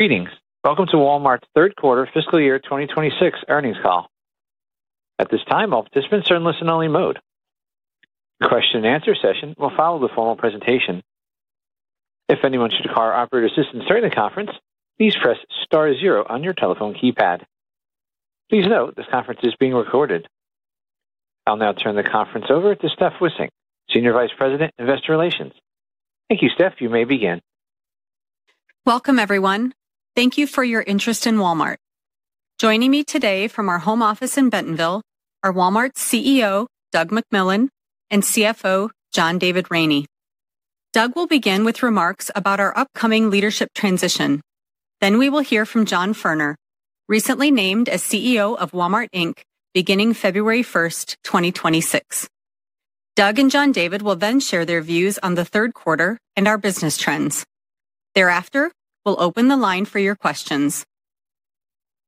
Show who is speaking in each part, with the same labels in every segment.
Speaker 1: Greetings. Welcome to Walmart's third quarter Fiscal Year 2026 earnings call. At this time, all participants are in listen-only mode. The question-and-answer session will follow the formal presentation. If anyone should require operator assistance during the conference, please press star zero on your telephone keypad. Please note this conference is being recorded. I'll now turn the conference over to Steph Wissink, Senior Vice President, Investor Relations. Thank you, Steph. You may begin.
Speaker 2: Welcome, everyone. Thank you for your interest in Walmart. Joining me today from our Home Office in Bentonville are Walmart's CEO, Doug McMillon, and CFO, John David Rainey. Doug will begin with remarks about our upcoming Leadership transition. We will then hear from John Furner, recently named as CEO of Walmart beginning February 1st, 2026. Doug and John David will then share their views on the third quarter and our business trends. Thereafter, we'll open the line for your questions.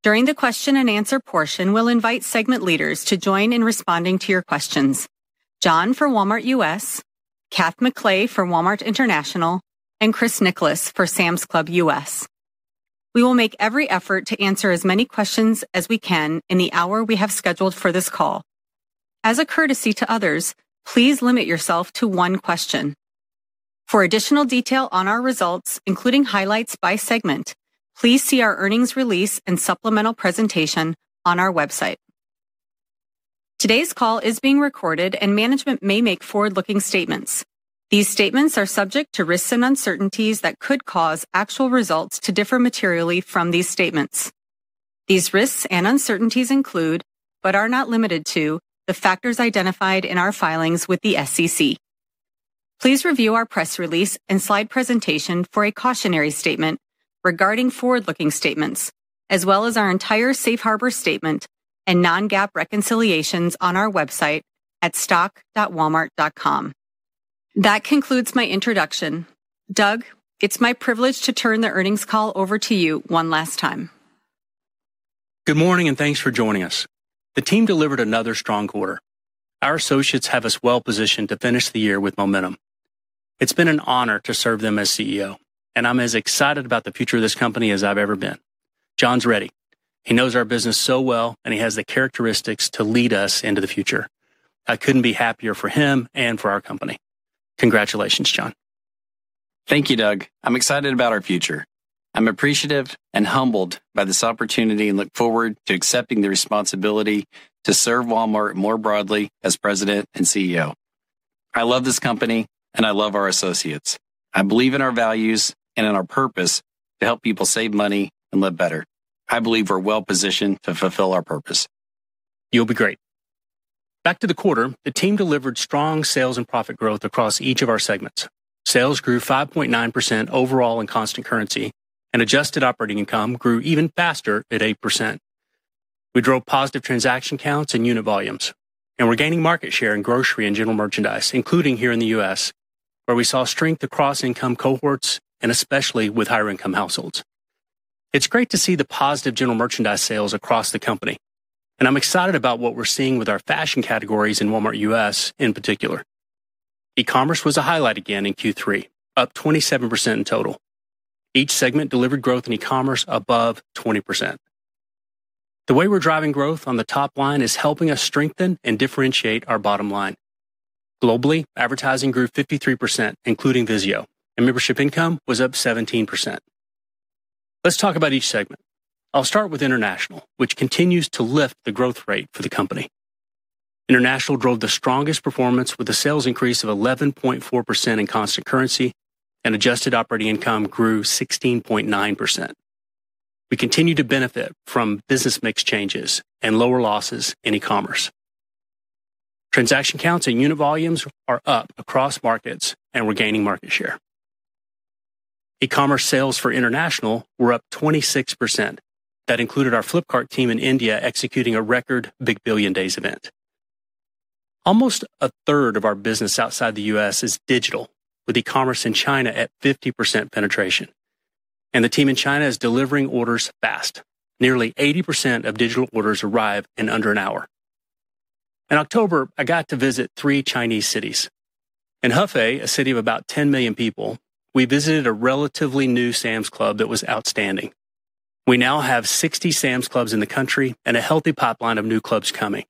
Speaker 2: During the question-and-answer portion, we'll invite segment leaders to join in responding to your questions: John for Walmart U.S., Kath McLay from Walmart International, and Chris Nicholas for Sam's Club U.S. We will make every effort to answer as many questions as we can in the hour we have scheduled for this call. As a courtesy to others, please limit yourself to one question. For additional detail on our results, including highlights by segment, please see our Earnings Release and Supplemental Presentation on our website. Today's call is being recorded, and management may make Forward-Looking Statements. These Statements are subject to Risks and Uncertainties that could cause actual results to differ materially from these statements. These Risks and Uncertainties include, but are not limited to, the factors identified in our Filings with the SEC. Please review our Press Release and slide presentation for a Cautionary Statement regarding Forward-Looking Statements, as well as our entire Safe Harbor Statement and non-GAAP Reconciliations on our website at stock.walmart.com. That concludes my introduction. Doug, it's my privilege to turn the earnings call over to you one last time.
Speaker 3: Good morning, and thanks for joining us. The team delivered another strong quarter. Our associates have us well positioned to finish the year with momentum. It's been an honor to serve them as CEO, and I'm as excited about the future of this company as I've ever been. John's ready. He knows our business so well, and he has the characteristics to lead us into the future. I couldn't be happier for him and for our company. Congratulations, John.
Speaker 4: Thank you, Doug. I'm excited about our future. I'm appreciative and humbled by this opportunity and look forward to accepting the responsibility to serve Walmart more broadly as President and CEO. I love this company, and I love our associates. I believe in our values and in our purpose to help people save money and live better. I believe we're well positioned to fulfill our purpose.
Speaker 3: You'll be great. Back to the quarter, the team delivered strong Sales and Profit Growth across each of our segments. Sales grew 5.9% overall in Constant Currency, and Adjusted Operating Income grew even faster at 8%. We drove positive transaction counts and unit volumes, and we're gaining market share in Grocery and General Merchandise, including here in the U.S., where we saw strength across income cohorts and especially with higher-income households. It's great to see the positive General Merchandise sales across the company, and I'm excited about what we're seeing with our Fashion Categories in Walmart U.S. in particular. E-commerce was a highlight again in Q3, up 27% in total. Each segment delivered growth in E-commerce above 20%. The way we're driving growth on the top line is helping us strengthen and differentiate our bottom line. Globally, Advertising grew 53%, including VIZIO, and membership income was up 17%. Let's talk about each segment. I'll start with International, which continues to lift the Growth Rate for the company. International drove the strongest performance with a sales increase of 11.4% in Constant Currency, and Adjusted Operating Income grew 16.9%. We continue to benefit from business mix changes and lower losses in E-commerce. Transaction counts and unit volumes are up across markets, and we're gaining market share. E-commerce sales for International were up 26%. That included our Flipkart Team in India executing a record Big Billion Days event. Almost a third of our business outside the U.S. is digital, with E-commerce in China at 50% penetration. The team in China is delivering orders fast. Nearly 80% of digital orders arrive in under an hour. In October, I got to visit three Chinese Cities. In Hefei, a city of about 10 million people, we visited a relatively new Sam's Club that was outstanding. We now have 60 Sam's Clubs in the country and a healthy pipeline of new clubs coming.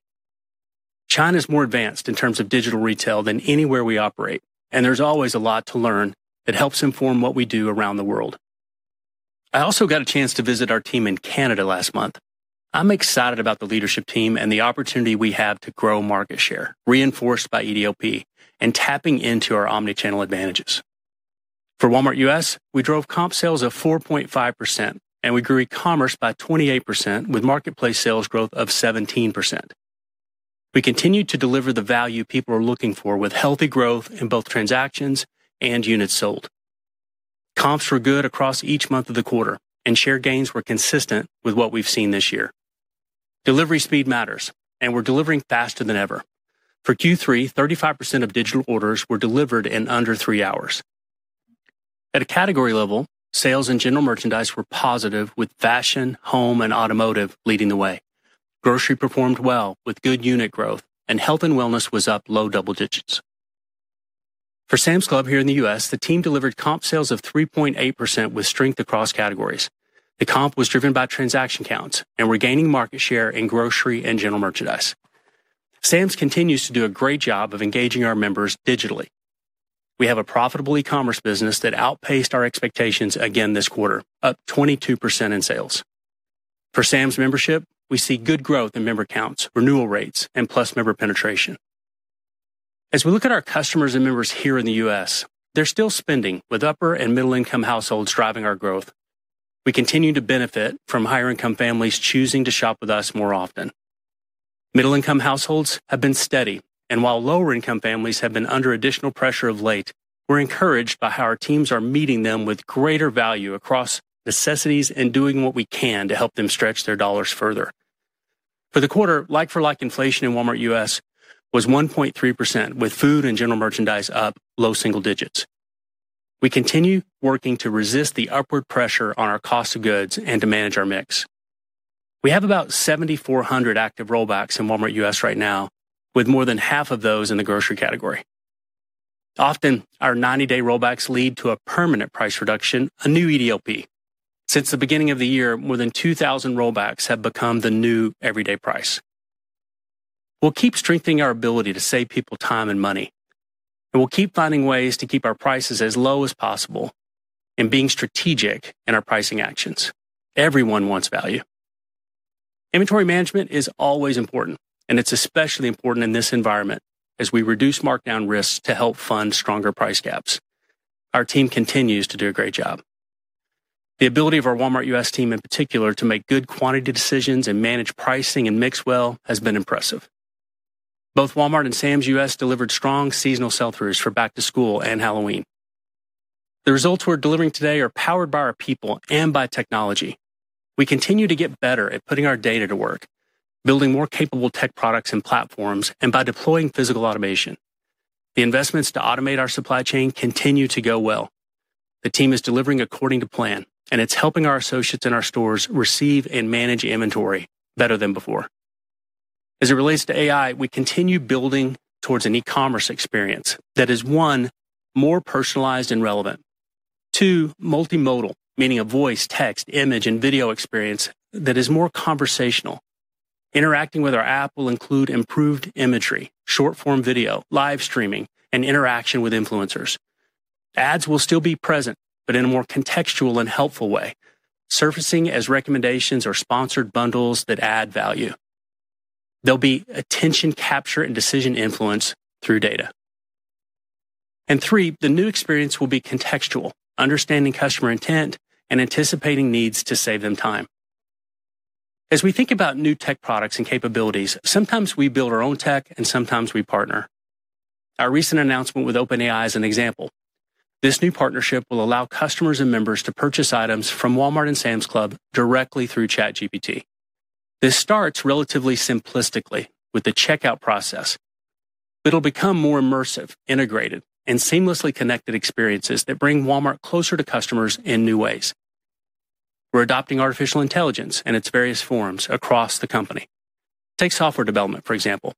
Speaker 3: China is more advanced in terms of Digital Retail than anywhere we operate, and there is always a lot to learn that helps inform what we do around the world. I also got a chance to visit our team in Canada last month. I'm excited about the Leadership Team and the opportunity we have to grow Market Share, reinforced by EDLP and tapping into our omnichannel advantages. For Walmart U.S., we drove comp sales of 4.5%, and we grew E-commerce by 28% with marketplace sales growth of 17%. We continue to deliver the value people are looking for with healthy growth in both transactions and units sold. Comps were good across each month of the quarter, and share gains were consistent with what we've seen this year. Delivery speed matters, and we're delivering faster than ever. For Q3, 35% of digital orders were delivered in under three hours. At a category level, sales and General Merchandise were positive, with fashion, home, and automotive leading the way. Grocery performed well with good unit growth, and health and wellness was up low double digits. For Sam's Club here in the U.S., the team delivered comp sales of 3.8% with strength across categories. The comp was driven by transaction counts, and we're gaining market share in Grocery and General Merchandise. Sam's continues to do a great job of engaging our members digitally. We have a profitable E-commerce business that outpaced our expectations again this quarter, up 22% in sales. For Sam's membership, we see good growth in Member Counts, Renewal Rates, and Plus Member penetration. As we look at our customers and members here in the U.S., they're still spending, with upper and middle-income households driving our growth. We continue to benefit from higher-income families choosing to shop with us more often. Middle-income households have been steady, and while lower-income families have been under additional pressure of late, we're encouraged by how our teams are meeting them with greater value across necessities and doing what we can to help them stretch their dollars further. For the quarter, like-for-like inflation in Walmart U.S. was 1.3%, with Food and General Merchandise up low single digits. We continue working to resist the upward pressure on our Cost of Goods and to manage our mix. We have about 7,400 active rollbacks in Walmart U.S. right now, with more than half of those in the Grocery Category. Often, our 90-day rollbacks lead to a permanent price reduction, a new EDLP. Since the beginning of the year, more than 2,000 rollbacks have become the new Everyday Price. We'll keep strengthening our ability to save people time and money, and we'll keep finding ways to keep our prices as low as possible and being strategic in our pricing actions. Everyone wants value. Inventory Management is always important, and it's especially important in this environment as we reduce markdown risks to help fund stronger price gaps. Our team continues to do a great job. The ability of our Walmart U.S. Team, in particular, to make good quantity decisions and manage pricing and mix well has been impressive. Both Walmart and Sam's U.S. delivered strong seasonal sell-throughs for back to school and Halloween. The results we're delivering today are powered by our people and by technology. We continue to get better at putting our data to work, building more capable tech products and platforms, and by deploying Physical Automation. The investments to automate our supply chain continue to go well. The team is delivering according to plan, and it's helping our associates and our stores receive and manage inventory better than before. As it relates to AI, we continue building towards an E-commerce experience that is, one, more personalized and relevant; two, multimodal, meaning a Voice, Text, Image, and Video Experience that is more conversational. Interacting with our app will include improved Imagery, Short-form Video, Live Streaming, and interaction with Influencers. Ads will still be present, but in a more contextual and helpful way, surfacing as recommendations or sponsored bundles that add value. There will be attention capture and decision influence through data. Three, the new experience will be contextual, understanding customer intent and anticipating needs to save them time. As we think about new Tech Products and Capabilities, sometimes we build our own tech, and sometimes we partner. Our recent announcement with OpenAI is an example. This new partnership will allow customers and members to purchase items from Walmart and Sam's Club directly through ChatGPT. This starts relatively simplistically with the checkout process, but it will become more immersive, integrated, and seamlessly connected experiences that bring Walmart closer to customers in new ways. We are adopting Artificial Intelligence and its various forms across the company. Let's take Software Development, for example.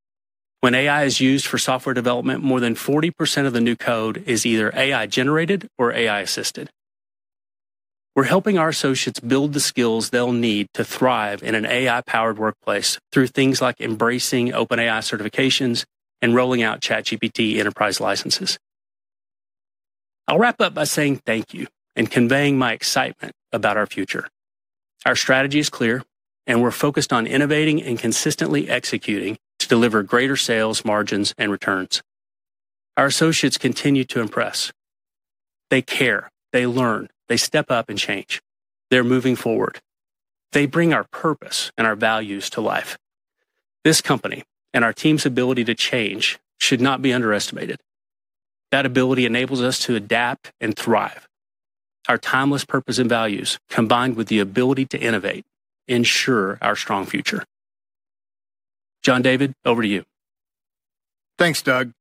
Speaker 3: When AI is used for Software Development, more than 40% of the new code is either AI-Generated or AI-Assisted. We're helping our associates build the skills they'll need to thrive in an AI-Powered workplace through things like embracing OpenAI Certifications and rolling out ChatGPT Enterprise Licenses. I'll wrap up by saying thank you and conveying my excitement about our future. Our strategy is clear, and we're focused on innovating and consistently executing to deliver greater sales, margins, and returns. Our associates continue to impress. They care. They learn. They step up and change. They're moving forward. They bring our purpose and our values to life. This company and our team's ability to change should not be underestimated. That ability enables us to adapt and thrive. Our timeless purpose and values, combined with the ability to innovate, ensure our strong future. John David, over to you.
Speaker 5: Thanks, Doug.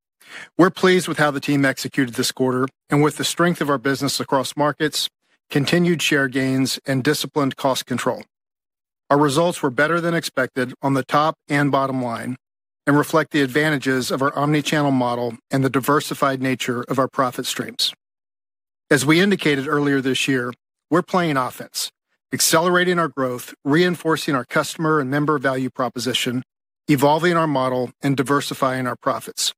Speaker 5: We're pleased with how the team executed this quarter and with the strength of our business across markets, continued share gains, and disciplined cost control. Our results were better than expected on the top and bottom line and reflect the advantages of our omnichannel model and the diversified nature of our profit streams. As we indicated earlier this year, we're playing offense, accelerating our growth, reinforcing our customer and member value proposition, evolving our model, and diversifying our profits.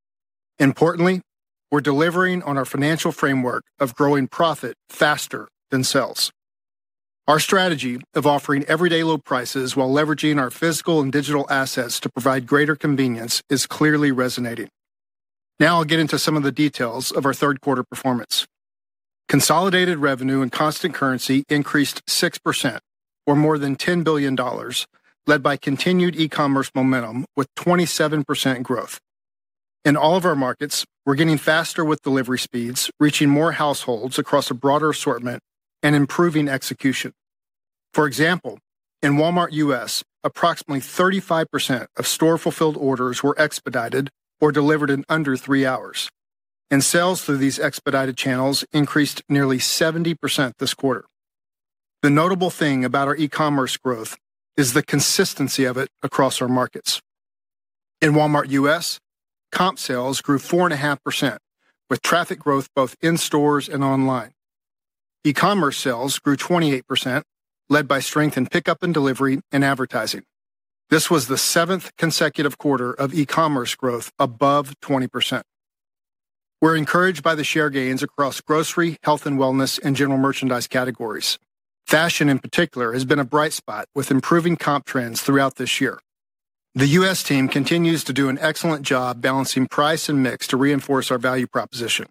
Speaker 5: Importantly, we're delivering on our Financial Framework of growing profit faster than sales. Our strategy of offering everyday low prices while leveraging our physical and digital assets to provide greater convenience is clearly resonating. Now I'll get into some of the details of our third quarter performance. Consolidated Revenue and Constant Currency increased 6%, or more than $10 billion, led by continued E-commerce momentum with 27% growth. In all of our markets, we're getting faster with delivery speeds, reaching more households across a broader assortment, and improving execution. For example, in Walmart U.S., approximately 35% of store-fulfilled orders were expedited or delivered in under three hours, and sales through these expedited channels increased nearly 70% this quarter. The notable thing about our E-commerce growth is the consistency of it across our markets. In Walmart U.S., comp sales grew 4.5%, with traffic growth both in stores and online. E-commerce sales grew 28%, led by strength in pickup and delivery and advertising. This was the seventh consecutive quarter of E-commerce growth above 20%. We're encouraged by the share gains across Grocery, Health and Wellness, and General Merchandise categories. Fashion, in particular, has been a bright spot with improving comp trends throughout this year. The U.S.Team continues to do an excellent job balancing price and mix to reinforce our value proposition.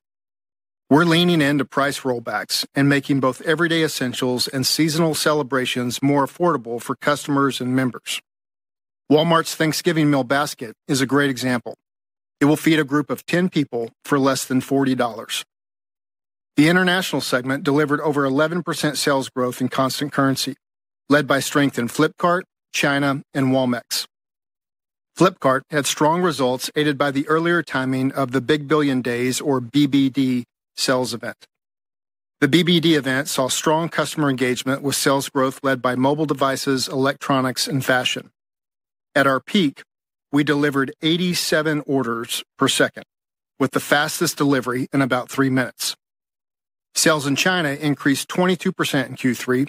Speaker 5: We're leaning into price rollbacks and making both everyday essentials and seasonal celebrations more affordable for customers and members. Walmart's Thanksgiving Meal Basket is a great example. It will feed a group of 10 people for less than $40. The international segment delivered over 11% sales growth in Constant Currency, led by strength in Flipkart, China, and Walmex. Flipkart had strong results aided by the earlier timing of the Big Billion Days, or BBD, Sales Event. The BBD Event saw strong customer engagement with sales growth led by Mobile Devices, Electronics, and Fashion. At our peak, we delivered 87 orders per second, with the fastest delivery in about three minutes. Sales in China increased 22% in Q3,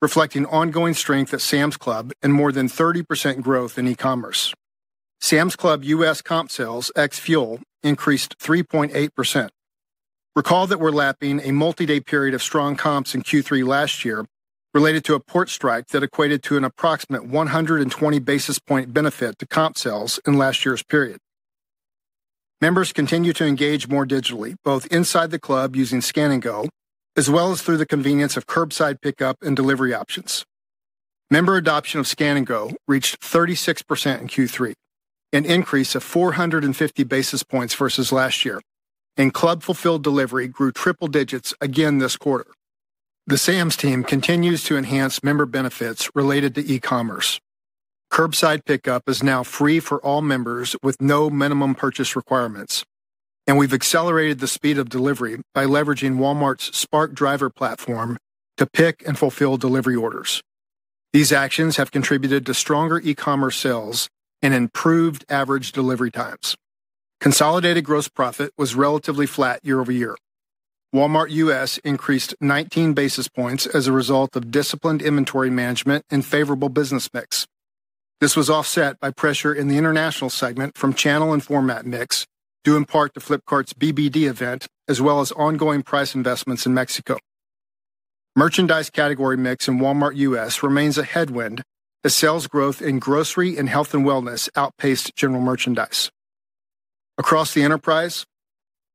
Speaker 5: reflecting ongoing strength at Sam's Club and more than 30% growth in E-commerce. Sam's Club U.S. comp sales ex fuel increased 3.8%. Recall that we are lapping a multi-day period of strong comps in Q3 last year related to a port strike that equated to an approximate 120 basis point benefit to comp sales in last year's period. Members continue to engage more digitally, both inside the club using Scan&Go, as well as through the convenience of Curbside Pickup and Delivery options. Member adoption of Scan&Go reached 36% in Q3, an increase of 450 basis points versus last year, and club-fulfilled delivery grew triple digits again this quarter. The Sam's team continues to enhance member benefits related to E-commerce. Curbside Pickup is now free for all members with no minimum purchase requirements, and we have accelerated the speed of delivery by leveraging Walmart's Spark Driver platform to pick and fulfill delivery orders. These actions have contributed to stronger E-commerce Sales and improved average delivery times. Consolidated Gross Profit was relatively flat year-over-year. Walmart U.S. increased 19 basis points as a result of Disciplined Inventory Management and favorable business mix. This was offset by pressure in the international segment from channel and format mix due in part to Flipkart's Big Billion Days Event, as well as ongoing price investments in Mexico. Merchandise category mix in Walmart U.S. remains a headwind as sales growth in Grocery and Health and Wellness outpaced General Merchandise. Across the enterprise,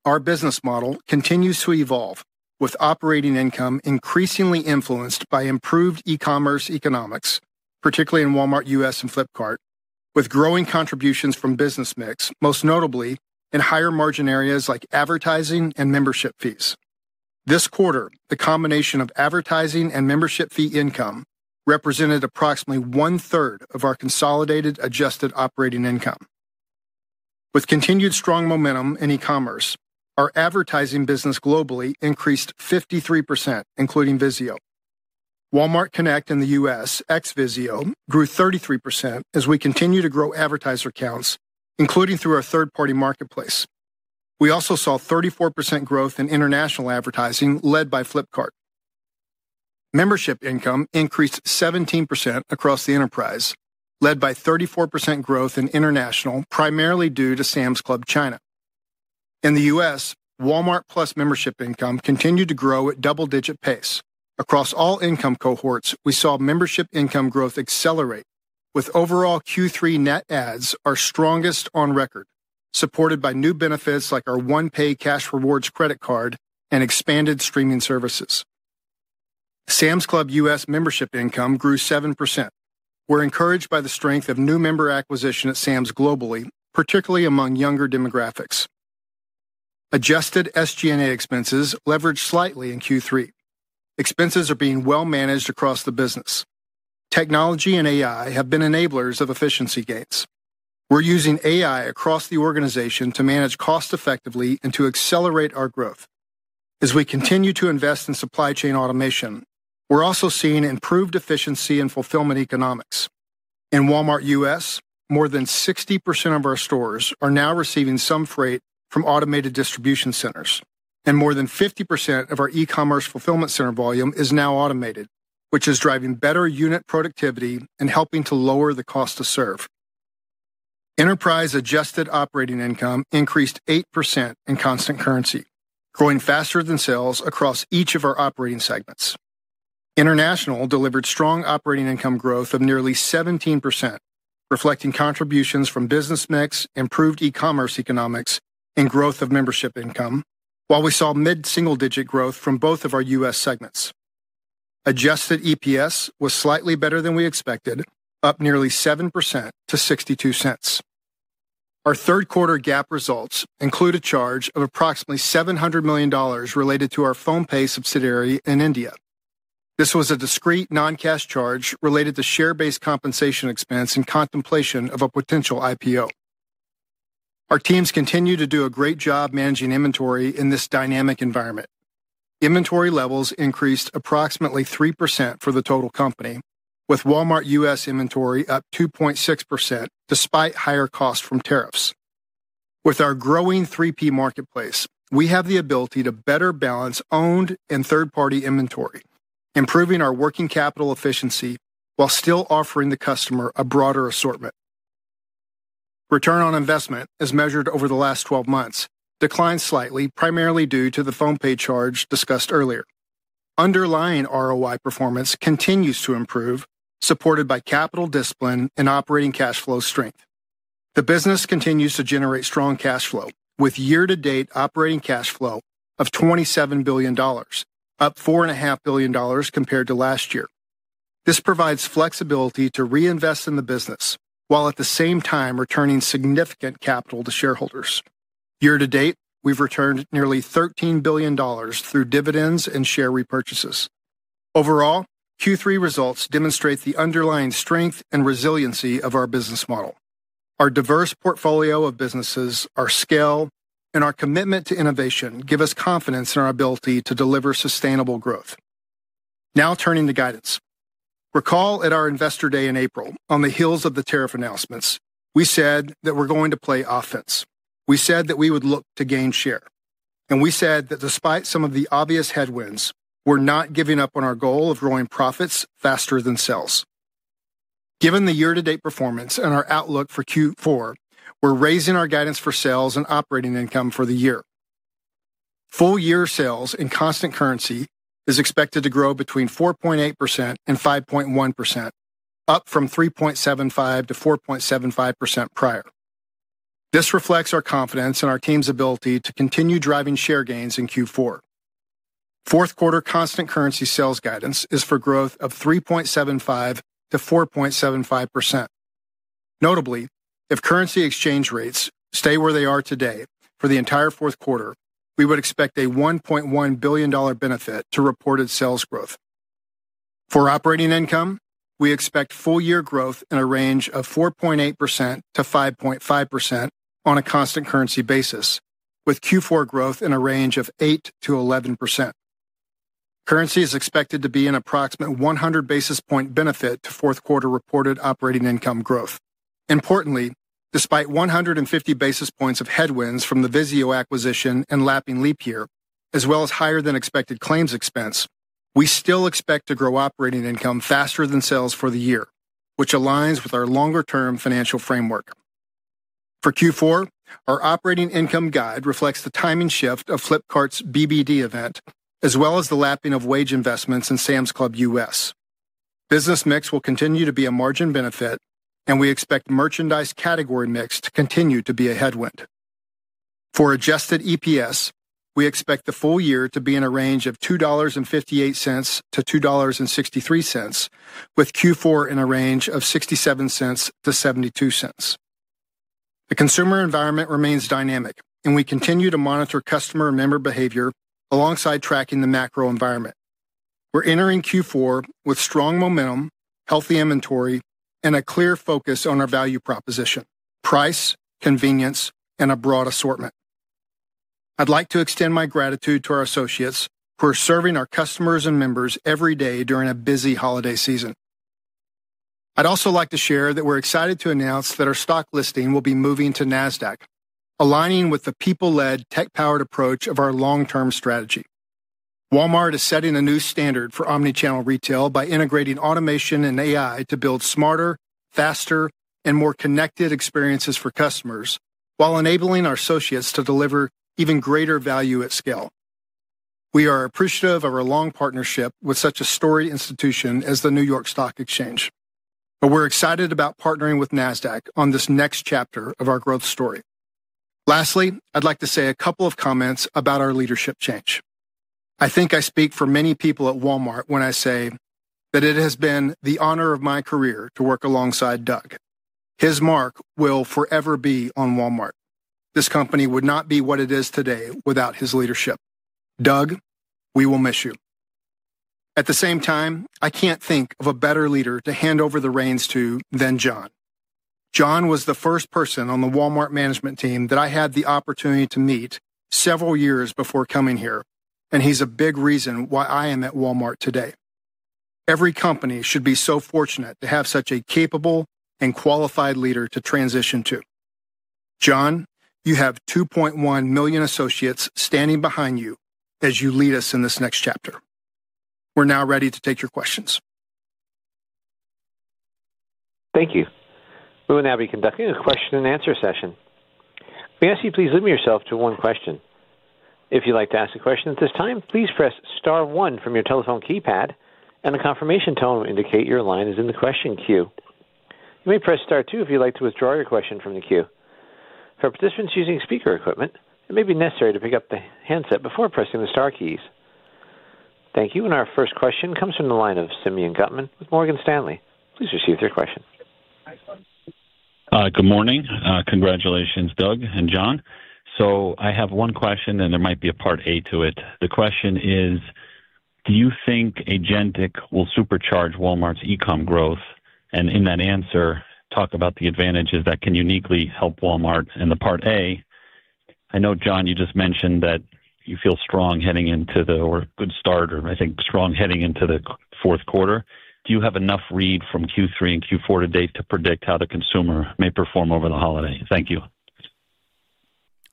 Speaker 5: our business model continues to evolve, with operating income increasingly influenced by improved E-commerce economics, particularly in Walmart U.S. and Flipkart, with growing contributions from business mix, most notably in higher margin areas like advertising and membership fees. This quarter, the combination of advertising and membership fee income represented approximately one-third of our consolidated Adjusted Operating Income. With continued strong momentum in E-commerce, our advertising business globally increased 53%, including VIZIO. Walmart Connect in the U.S. ex VIZIO grew 33% as we continue to grow advertiser counts, including through our third-party marketplace. We also saw 34% growth in international advertising led by Flipkart. Membership income increased 17% across the enterprise, led by 34% growth in international, primarily due to Sam's Club China. In the US, Walmart Plus Membership Income continued to grow at double-digit pace. Across all income cohorts, we saw membership income growth accelerate, with overall Q3 net ads our strongest on record, supported by new benefits like our OnePay cash rewards credit card and expanded streaming services. Sam's Club US Membership income grew 7%. We're encouraged by the strength of new member acquisition at Sam's globally, particularly among younger demographics. Adjusted SG&A Expenses leveraged slightly in Q3. Expenses are being well managed across the business. Technology and AI have been enablers of efficiency gains. We're using AI across the organization to manage costs effectively and to accelerate our growth. As we continue to invest in Supply Chain Automation, we're also seeing improved efficiency and fulfillment economics. In Walmart U.S., more than 60% of our stores are now receiving some freight from automated distribution centers, and more than 50% of our E-commerce fulfillment center volume is now automated, which is driving better unit productivity and helping to lower the cost to serve. Enterprise Adjusted Operating Income increased 8% in Constant Currency growing faster than sales across each of our Operating Segments. International delivered strong Operating Income Growth of nearly 17%, reflecting contributions from business mix, improved E-commerce economics, and growth of membership income, while we saw mid-single-digit growth from both of our U.S. segments. Adjusted EPS was slightly better than we expected, up nearly 7% to 62 cents. Our third quarter GAAP results include a charge of approximately $700 million related to our PhonePe Subsidiary in India. This was a discrete non-cash charge related to share-based compensation expense in contemplation of a potential IPO. Our teams continue to do a great job managing inventory in this dynamic environment. Inventory levels increased approximately 3% for the total company, with Walmart U.S. inventory up 2.6% despite higher costs from tariffs. With our growing 3P marketplace, we have the ability to better balance owned and third-party inventory, improving our working capital efficiency while still offering the customer a broader assortment. Return on Investment, as measured over the last 12 months, declined slightly, primarily due to the PhonePe Charge discussed earlier. Underlying ROI performance continues to improve, supported by capital discipline and Operating Cash Flow strength. The business continues to generate strong cash flow, with year-to-date Operating Cash Flow of $27 billion, up $4.5 billion compared to last year. This provides flexibility to reinvest in the business while at the same time returning significant capital to shareholders. Year-to-date, we've returned nearly $13 billion through dividends and share repurchases. Overall, Q3 results demonstrate the underlying strength and resiliency of our business model. Our diverse portfolio of businesses, our scale, and our commitment to innovation give us confidence in our ability to deliver sustainable growth. Now turning to guidance. Recall at our investor day in April, on the heels of the tariff announcements, we said that we're going to play offense. We said that we would look to gain share. We said that despite some of the obvious headwinds, we're not giving up on our goal of growing profits faster than sales. Given the year-to-date performance and our outlook for Q4, we're raising our guidance for sales and operating income for the year. Full-year sales in Constant Currency is expected to grow between 4.8% and 5.1%, up from 3.75%-4.75% prior. This reflects our confidence in our team's ability to continue driving share gains in Q4. Fourth quarter Constant Currency sales guidance is for growth of 3.75%-4.75%. Notably, if Currency Exchange Rates stay where they are today for the entire fourth quarter, we would expect a $1.1 billion benefit to reported sales growth. For operating income, we expect full-year growth in a range of 4.8%-5.5% on a Constant Currency basis, with Q4 growth in a range of 8%-11%. Currency is expected to be an approximate 100 basis point benefit to fourth quarter reported Operating Income Growth. Importantly, despite 150 basis points of headwinds from the VIZIO acquisition and lapping leap year, as well as higher-than-expected claims expense, we still expect to grow operating income faster than sales for the year, which aligns with our longer-term Financial Framework. For Q4, our operating income guide reflects the timing shift of Flipkart's Big Billion Days event, as well as the lapping of wage investments in Sam's Club U.S.. Business mix will continue to be a margin benefit, and we expect merchandise category mix to continue to be a headwind. For Adjusted EPS, we expect the full year to be in a range of $2.58-$2.63, with Q4 in a range of $0.67-$0.72. The consumer environment remains dynamic, and we continue to monitor customer and member behavior alongside tracking the Macro environment. We're entering Q4 with strong momentum, healthy inventory, and a clear focus on our value proposition, price, convenience, and a broad assortment. I'd like to extend my gratitude to our associates who are serving our customers and members every day during a busy Holiday Season. I'd also like to share that we're excited to announce that our stock listing will be moving to NASDAQ, aligning with the people-led, tech-powered approach of our long-term strategy. Walmart is setting a new standard for omnichannel retail by integrating automation and AI to build smarter, faster, and more connected experiences for customers, while enabling our associates to deliver even greater value at scale. We are appreciative of our long partnership with such a storied institution as the New York Stock Exchange, but we're excited about partnering with NASDAQ on this next chapter of our growth story. Lastly, I'd like to say a couple of comments about our leadership change. I think I speak for many people at Walmart when I say that it has been the honor of my career to work alongside Doug. His mark will forever be on Walmart. This company would not be what it is today without his leadership. Doug, we will miss you. At the same time, I can't think of a better leader to hand over the reins to than John. John was the first person on the Walmart Management Team that I had the opportunity to meet several years before coming here, and he's a big reason why I am at Walmart today. Every company should be so fortunate to have such a capable and qualified leader to transition to. John, you have 2.1 million associates standing behind you as you lead us in this next chapter. We're now ready to take your questions.
Speaker 1: Thank you. We will now be conducting a question-and-answer session. We ask you to please limit yourself to one question. If you'd like to ask a question at this time, please press star one from your telephone keypad, and the confirmation tone will indicate your line is in the question queue. You may press star two if you'd like to withdraw your question from the queue. For participants using speaker equipment, it may be necessary to pick up the handset before pressing the star keys. Thank you, and our first question comes from the line of Simeon Gutman with Morgan Stanley. Please receive their question.
Speaker 6: Good morning. Congratulations, Doug and John. I have one question, and there might be a part A to it. The question is, do you think Agentic will supercharge Walmart's e-Com growth? In that answer, talk about the advantages that can uniquely help Walmart. The part A, I know, John, you just mentioned that you feel strong heading into the—or a good start, or I think strong heading into the fourth quarter. Do you have enough read from Q3 and Q4 to date to predict how the consumer may perform over the holiday? Thank you.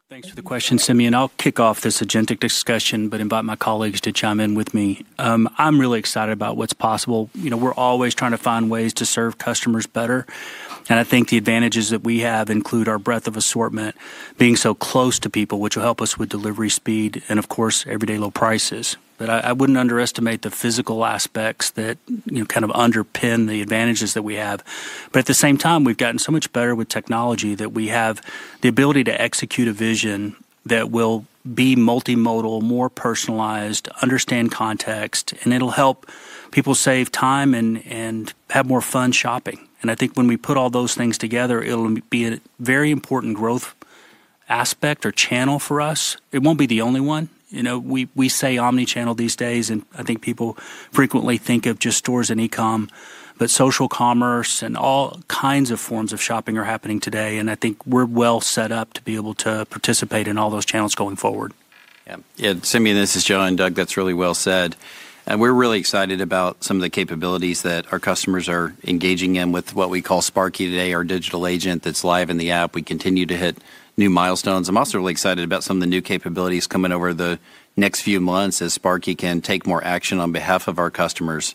Speaker 3: Thanks for the question, Simeon. I'll kick off this Agentic discussion, but invite my colleagues to chime in with me. I'm really excited about what's possible. We're always trying to find ways to serve customers better. I think the advantages that we have include our breadth of assortment, being so close to people, which will help us with delivery speed, and of course, everyday low prices. I wouldn't underestimate the physical aspects that kind of underpin the advantages that we have. At the same time, we've gotten so much better with technology that we have the ability to execute a vision that will be multimodal, more personalized, understand context, and it'll help people save time and have more fun shopping. I think when we put all those things together, it'll be a very important growth aspect or channel for us. It won't be the only one. We say omnichannel these days, and I think people frequently think of just stores and e-Com, but Social commerce and all kinds of forms of shopping are happening today. I think we're well set up to be able to participate in all those channels going forward.
Speaker 4: Yeah, Simeon, this is John. Doug, that's really well said. We are really excited about some of the capabilities that our customers are engaging in with what we call Sparky today, our digital agent that is live in the app. We continue to hit new milestones. I am also really excited about some of the new capabilities coming over the next few months as Sparky can take more action on behalf of our customers.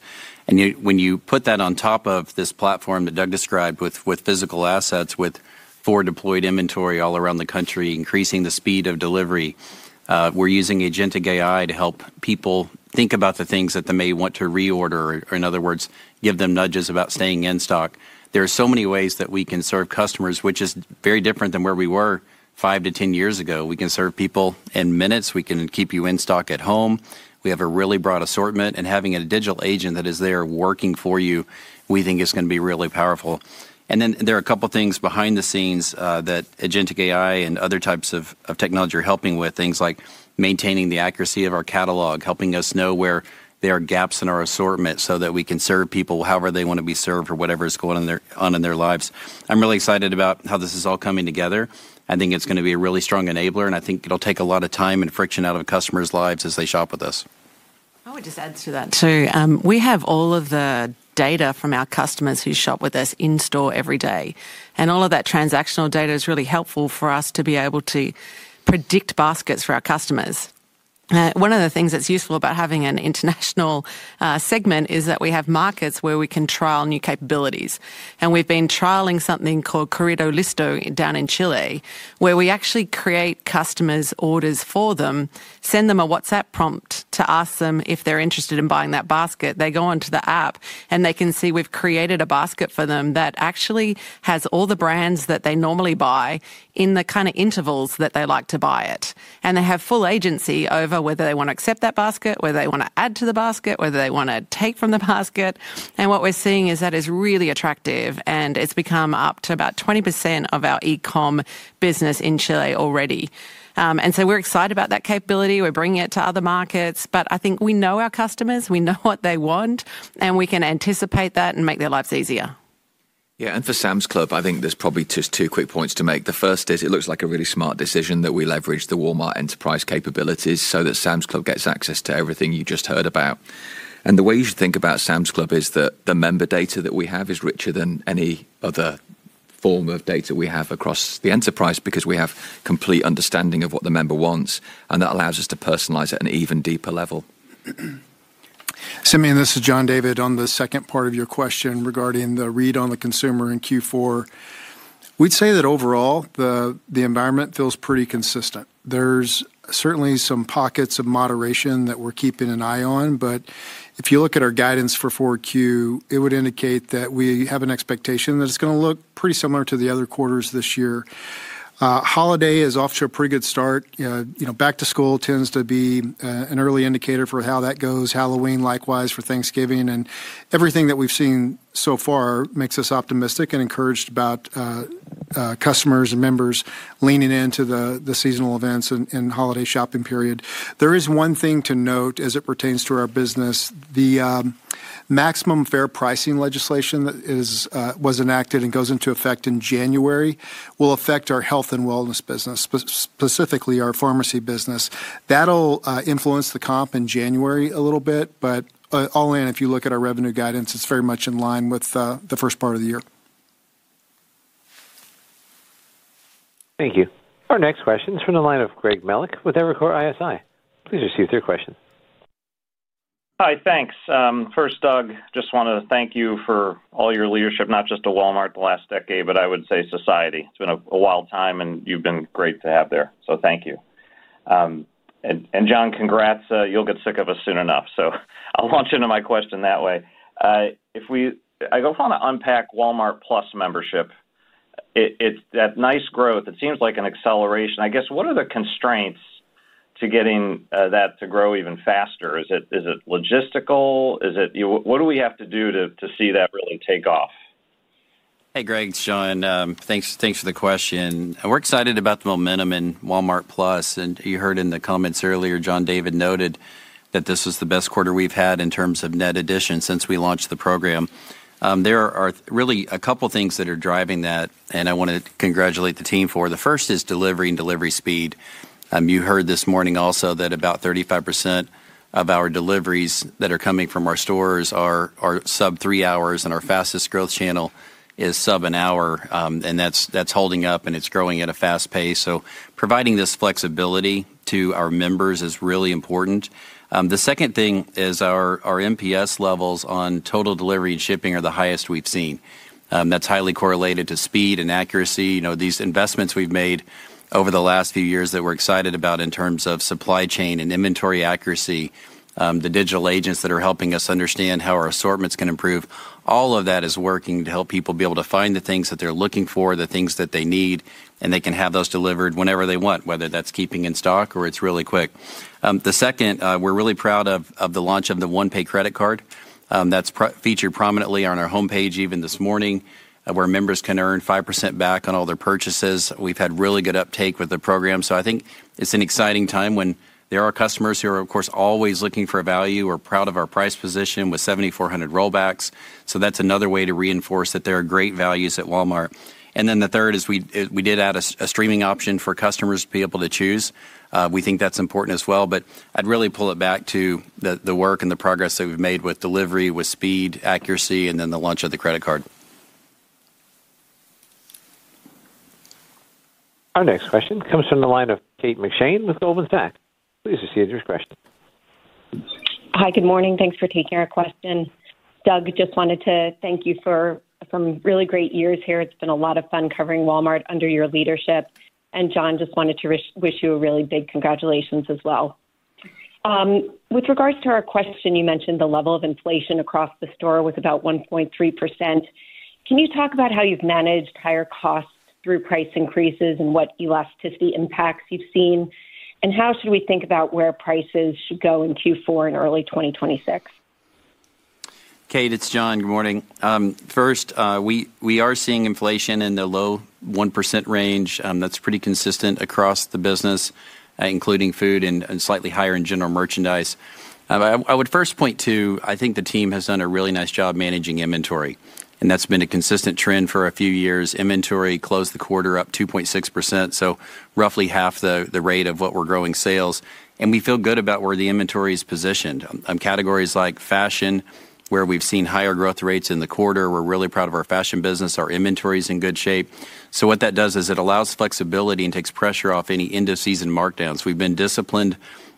Speaker 4: When you put that on top of this platform that Doug described with physical assets, with forward deployed inventory all around the country, increasing the speed of delivery, we are using Agentic AI to help people think about the things that they may want to reorder, or in other words, give them nudges about staying in stock. There are so many ways that we can serve customers, which is very different than where we were five to ten years ago. We can serve people in minutes. We can keep you in stock at home. We have a really broad assortment. Having a Digital Agent that is there working for you, we think is going to be really powerful. There are a couple of things behind the scenes that Agentic AI and other types of technology are helping with, things like maintaining the accuracy of our catalog, helping us know where there are gaps in our assortment so that we can serve people however they want to be served or whatever is going on in their lives. I'm really excited about how this is all coming together. I think it's going to be a really strong enabler, and I think it'll take a lot of time and friction out of customers' lives as they shop with us. I would just add to that too.
Speaker 2: We have all of the data from our customers who shop with us in store every day. All of that transactional data is really helpful for us to be able to predict baskets for our customers. One of the things that's useful about having an international segment is that we have markets where we can trial new capabilities. We have been trialing something called Corridon Listo down in Chile, where we actually create customers' orders for them, send them a WhatsApp prompt to ask them if they're interested in buying that basket. They go onto the app, and they can see we have created a basket for them that actually has all the brands that they normally buy in the kind of intervals that they like to buy it. They have full agency over whether they want to accept that basket, whether they want to add to the basket, whether they want to take from the basket. What we're seeing is that is really attractive, and it's become up to about 20% of our e-Com business in Chile already. We are excited about that capability. We are bringing it to other markets. I think we know our customers. We know what they want, and we can anticipate that and make their lives easier.
Speaker 4: Yeah, and for Sam's Club, I think there's probably just two quick points to make. The first is it looks like a really smart decision that we leverage the Walmart Enterprise capabilities so that Sam's Club gets access to everything you just heard about. The way you should think about Sam's Club is that the member data that we have is richer than any other form of data we have across the enterprise because we have complete understanding of what the member wants, and that allows us to personalize it at an even deeper level.
Speaker 5: Simeon, this is John David on the second part of your question regarding the read on the consumer in Q4. We'd say that overall, the environment feels pretty consistent. There are certainly some pockets of moderation that we're keeping an eye on, but if you look at our guidance for Q4, it would indicate that we have an expectation that it's going to look pretty similar to the other quarters this year. Holiday is off to a pretty good start. Back to school tends to be an early indicator for how that goes. Halloween, likewise, for Thanksgiving. Everything that we've seen so far makes us optimistic and encouraged about customers and members leaning into the Seasonal Events and Holiday shopping period. There is one thing to note as it pertains to our business. The maximum fair pricing legislation that was enacted and goes into effect in January will affect our health and wellness business, specifically our pharmacy business. That will influence the comp in January a little bit, but all in, if you look at our revenue guidance, it's very much in line with the first part of the year.
Speaker 1: Thank you. Our next question is from the line of Greg Melich with Evercore ISI. Please receive their question. Hi, thanks. First, Doug, just wanted to thank you for all your leadership, not just to Walmart the last decade, but I would say society. It's been a wild time, and you've been great to have there.
Speaker 7: Thank you. John, congrats. You'll get sick of us soon enough, so I'll launch into my question that way. I go on to unpack Walmart Plus membership. It's that nice growth. It seems like an acceleration. I guess, what are the constraints to getting that to grow even faster? Is it logistical? What do we have to do to see that really take off?
Speaker 4: Hey, Greg, it's John. Thanks for the question. We're excited about the momentum in Walmart Plus. You heard in the comments earlier, John David noted that this was the best quarter we've had in terms of net addition since we launched the program. There are really a couple of things that are driving that, and I want to congratulate the team for. The first is delivery and delivery speed. You heard this morning also that about 35% of our deliveries that are coming from our stores are sub three hours, and our fastest growth channel is sub an hour. That is holding up, and it is growing at a fast pace. Providing this flexibility to our members is really important. The second thing is our MPS levels on total delivery and shipping are the highest we have seen. That is highly correlated to speed and accuracy. These investments we have made over the last few years that we are excited about in terms of Supply Chain and Inventory Accuracy, the Digital Agents that are helping us understand how our assortments can improve. All of that is working to help people be able to find the things that they are looking for, the things that they need, and they can have those delivered whenever they want, whether that is keeping in stock or it is really quick. The second, we're really proud of the launch of the OnePay Credit Card. That's featured prominently on our Homepage even this morning, where members can earn 5% back on all their purchases. We've had really good uptake with the program. I think it's an exciting time when there are customers who are, of course, always looking for value or proud of our price position with 7,400 rollbacks. That's another way to reinforce that there are great values at Walmart. The third is we did add a streaming option for customers to be able to choose. We think that's important as well. I'd really pull it back to the work and the progress that we've made with delivery, with speed, accuracy, and then the launch of the Credit Card.
Speaker 1: Our next question comes from the line of Kate McShane with Goldman Sachs. Please receive your question.
Speaker 8: Hi, good morning. Thanks for taking our question. Doug, just wanted to thank you for some really great years here. It's been a lot of fun covering Walmart under your leadership. John, just wanted to wish you a really big congratulations as well. With regards to our question, you mentioned the level of inflation across the store was about 1.3%. Can you talk about how you've managed higher costs through price increases and what elasticity impacts you've seen? How should we think about where prices should go in Q4 and early 2026?
Speaker 4: Kate, it's John. Good morning. First, we are seeing inflation in the low 1% range. That's pretty consistent across the business, including food and slightly higher in General Merchandise. I would first point to, I think the team has done a really nice job managing inventory. That has been a consistent trend for a few years. Inventory closed the quarter up 2.6%, so roughly half the rate of what we are growing sales. We feel good about where the inventory is positioned. Categories like fashion, where we have seen higher growth rates in the quarter, we are really proud of our fashion business. Our inventory is in good shape. What that does is it allows flexibility and takes pressure off any end-of-season markdowns. We have been disciplined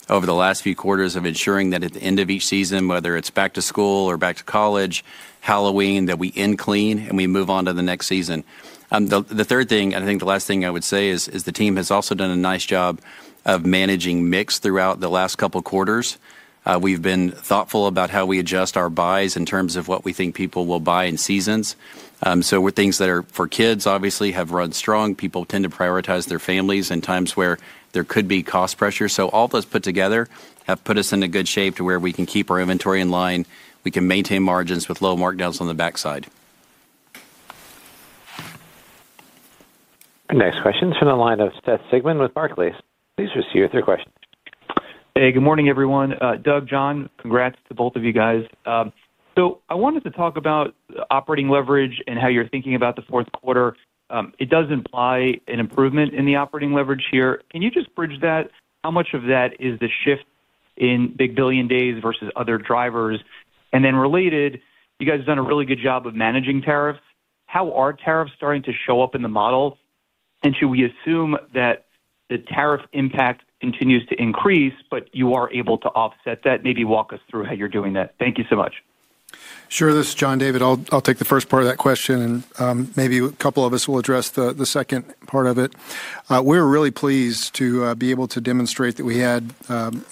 Speaker 4: over the last few quarters of ensuring that at the end of each season, whether it is back to school or back to college, Halloween, that we end clean and we move on to the next season. The third thing, and I think the last thing I would say is the team has also done a nice job of managing mix throughout the last couple of quarters. We've been thoughtful about how we adjust our buys in terms of what we think people will buy in seasons. Things that are for kids, obviously, have run strong. People tend to prioritize their families in times where there could be cost pressure. All those put together have put us in a good shape to where we can keep our inventory in line. We can maintain margins with low markdowns on the backside.
Speaker 1: Next question from the line of Seth Sigman with Barclays. Please receive your question.
Speaker 9: Hey, good morning, everyone. Doug, John, congrats to both of you guys. I wanted to talk about operating leverage and how you're thinking about the fourth quarter. It does imply an improvement in the operating leverage here. Can you just bridge that? How much of that is the shift in Big Billion Days versus other drivers? Related, you guys have done a really good job of managing tariffs. How are tariffs starting to show up in the model? Should we assume that the tariff impact continues to increase, but you are able to offset that? Maybe walk us through how you're doing that. Thank you so much.
Speaker 5: Sure, this is John David. I'll take the first part of that question, and maybe a couple of us will address the second part of it. We're really pleased to be able to demonstrate that we had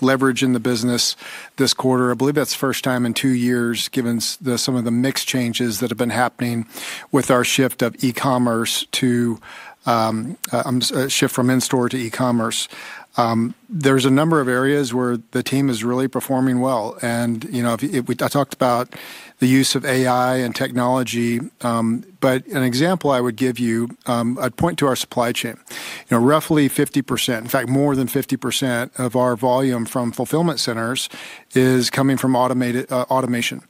Speaker 5: leverage in the business this quarter. I believe that's the first time in two years, given some of the mixed changes that have been happening with our shift of E-commerce to shift from In-store to E-commerce. There's a number of areas where the team is really performing well. I talked about the use of AI and Technology, but an example I would give you, I'd point to our supply chain. Roughly 50%, in fact, more than 50% of our volume from fulfillment centers is coming from automation.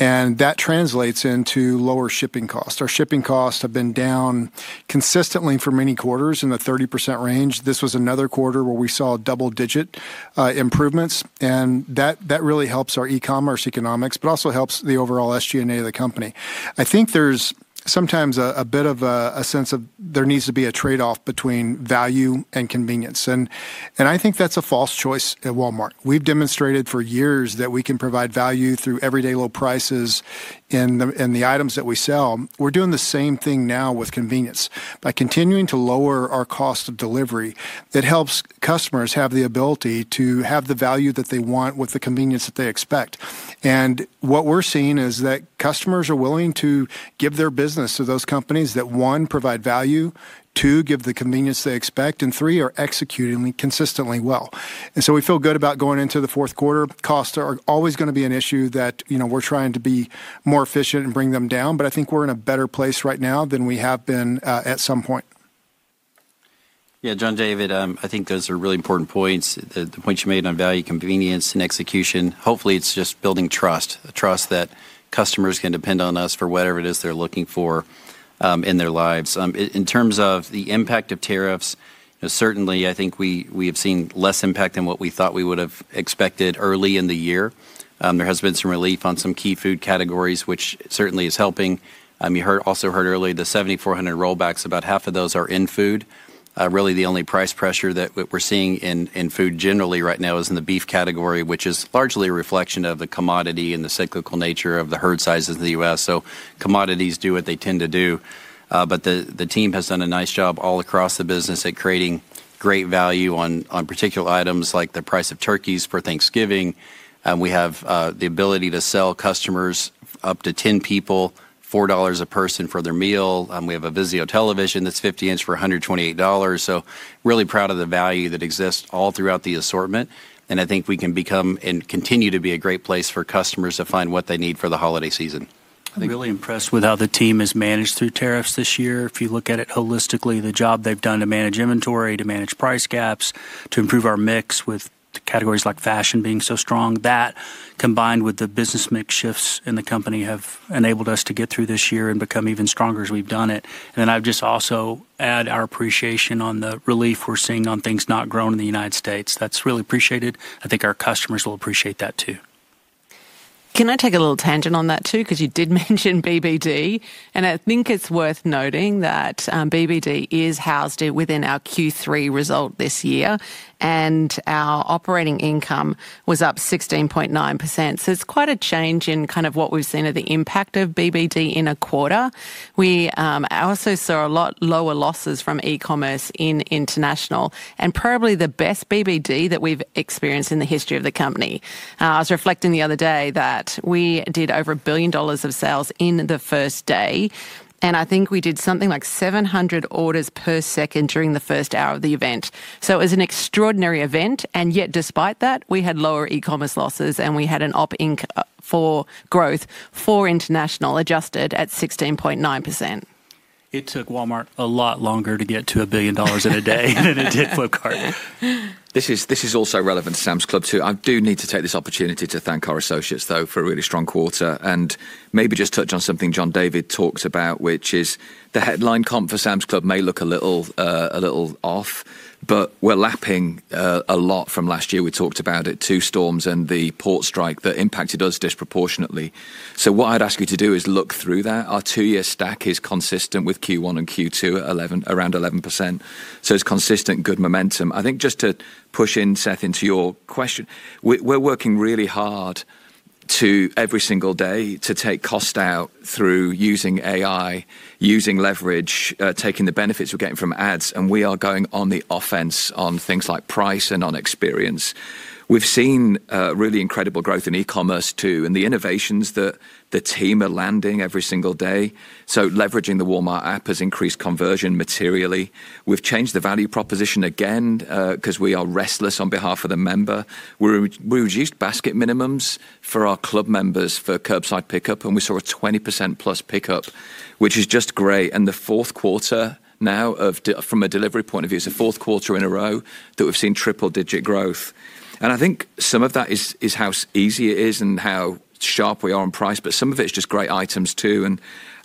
Speaker 5: That translates into lower Shipping Costs. Our Shipping Costs have been down consistently for many quarters in the 30% range. This was another quarter where we saw double-digit improvements. That really helps our E-commerce Economics, but also helps the overall SG&A of the company. I think there's sometimes a bit of a sense of there needs to be a trade-off between value and convenience. I think that's a false choice at Walmart. We've demonstrated for years that we can provide value through everyday low prices in the items that we sell. We're doing the same thing now with convenience. By continuing to lower our cost of delivery, it helps customers have the ability to have the value that they want with the convenience that they expect. What we're seeing is that customers are willing to give their business to those companies that, one, provide value, two, give the convenience they expect, and three, are executing consistently well. We feel good about going into the fourth quarter. Costs are always going to be an issue that we're trying to be more efficient and bring them down, but I think we're in a better place right now than we have been at some point.
Speaker 4: Yeah, John David, I think those are really important points. The points you made on value, convenience, and execution, hopefully it's just building trust, trust that customers can depend on us for whatever it is they're looking for in their lives. In terms of the impact of tariffs, certainly I think we have seen less impact than what we thought we would have expected early in the year. There has been some relief on some key Food categories, which certainly is helping. You also heard earlier the 7,400 rollbacks. About half of those are in Food. Really, the only price pressure that we're seeing in Food generally right now is in the Beef category, which is largely a reflection of the commodity and the cyclical nature of the herd sizes in the U.S. Commodities do what they tend to do. The team has done a nice job all across the business at creating great value on particular items like the price of Turkeys for Thanksgiving. We have the ability to sell customers up to 10 people, $4 a person for their meal. We have a VIZIO Television that's 50 inch for $128. Really proud of the value that exists all throughout the assortment. I think we can become and continue to be a great place for customers to find what they need for the holiday season.
Speaker 3: I'm really impressed with how the team has managed through tariffs this year. If you look at it holistically, the job they've done to manage inventory, to manage price gaps, to improve our mix with categories like fashion being so strong, that combined with the business mix shifts in the company have enabled us to get through this year and become even stronger as we've done it. I would just also add our appreciation on the relief we're seeing on things not grown in the United States. That's really appreciated. I think our customers will appreciate that too.
Speaker 2: Can I take a little tangent on that too? Because you did mention BBD. I think it's worth noting that BBD is housed within our Q3 result this year. Our Operating Income was up 16.9%. It is quite a change in kind of what we've seen of the impact of BBD in a quarter. We also saw a lot lower losses from E-commerce in international, and probably the best BBD that we've experienced in the history of the company. I was reflecting the other day that we did over $1 billion of sales in the first day. I think we did something like 700 orders per second during the first hour of the event. It was an extraordinary event. Yet, despite that, we had lower E-commerce losses, and we had an up in for growth for international adjusted at 16.9%.
Speaker 3: It took Walmart a lot longer to get to a billion dollars in a day than it did for a carton.
Speaker 4: This is also relevant to Sam's Club too. I do need to take this opportunity to thank our associates, though, for a really strong quarter. Maybe just touch on something John David talks about, which is the headline comp for Sam's Club may look a little off, but we're lapping a lot from last year. We talked about it, two storms and the port strike that impacted us disproportionately. What I'd ask you to do is look through that. Our two-year stack is consistent with Q1 and Q2 at around 11%. It is consistent good momentum. I think just to push in, Seth, into your question, we're working really hard every single day to take cost out through using AI, using leverage, taking the benefits we're getting from ads. We are going on the offense on things like price and on experience. We've seen really incredible growth in E-commerce too, and the innovations that the team are landing every single day. Leveraging the Walmart app has increased conversion materially. We've changed the value proposition again because we are restless on behalf of the member. We reduced basket minimums for our club members for curbside pickup, and we saw a 20%+ pickup, which is just great. The fourth quarter now, from a delivery point of view, is the fourth quarter in a row that we've seen triple-digit growth. I think some of that is how easy it is and how sharp we are on price, but some of it is just great items too.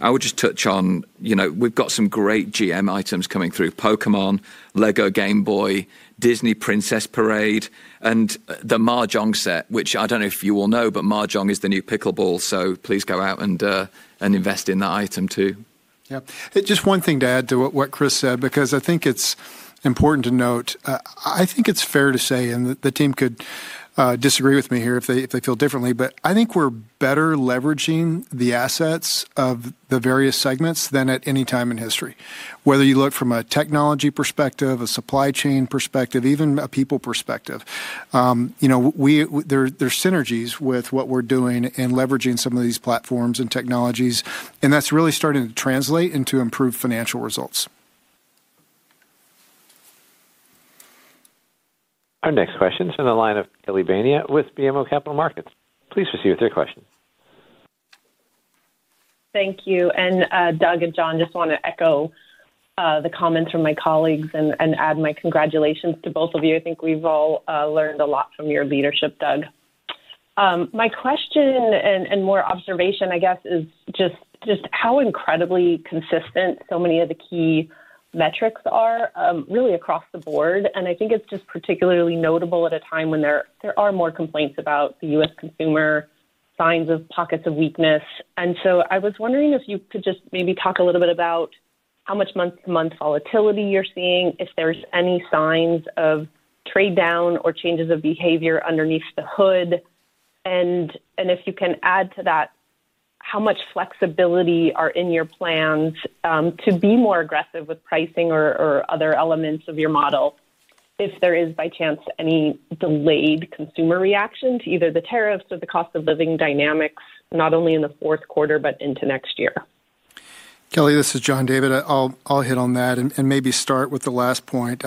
Speaker 4: I would just touch on we've got some great GM items coming through: Pokémon, Lego Game Boy, Disney Princess Parade, and the Mahjong set, which I don't know if you all know, but Mahjong is the new Pickleball. Please go out and invest in that item too.
Speaker 5: Yeah. Just one thing to add to what Chris said, because I think it's important to note, I think it's fair to say, and the team could disagree with me here if they feel differently, but I think we're better leveraging the assets of the various segments than at any time in history. Whether you look from a Technology perspective, a Supply Chain perspective, even a People perspective, there are synergies with what we're doing and leveraging some of these platforms and technologies. That's really starting to translate into improved Financial Results.
Speaker 1: Our next question is from the line of Kelly Bania with BMO Capital Markets. Please proceed with your question.
Speaker 10: Thank you. Doug and John, just want to echo the comments from my colleagues and add my congratulations to both of you. I think we've all learned a lot from your leadership, Doug. My question and more observation, I guess, is just how incredibly consistent so many of the key metrics are really across the board. I think it's just particularly notable at a time when there are more complaints about the U.S. consumer signs of pockets of weakness. I was wondering if you could just maybe talk a little bit about how much month-to-month volatility you're seeing, if there's any signs of trade-down or changes of behavior underneath the hood. If you can add to that, how much flexibility are in your plans to be more aggressive with pricing or other elements of your model? If there is, by chance, any delayed consumer reaction to either the tariffs or the cost of living dynamics, not only in the fourth quarter, but into next year?
Speaker 5: Kelly, this is John David. I'll hit on that and maybe start with the last point.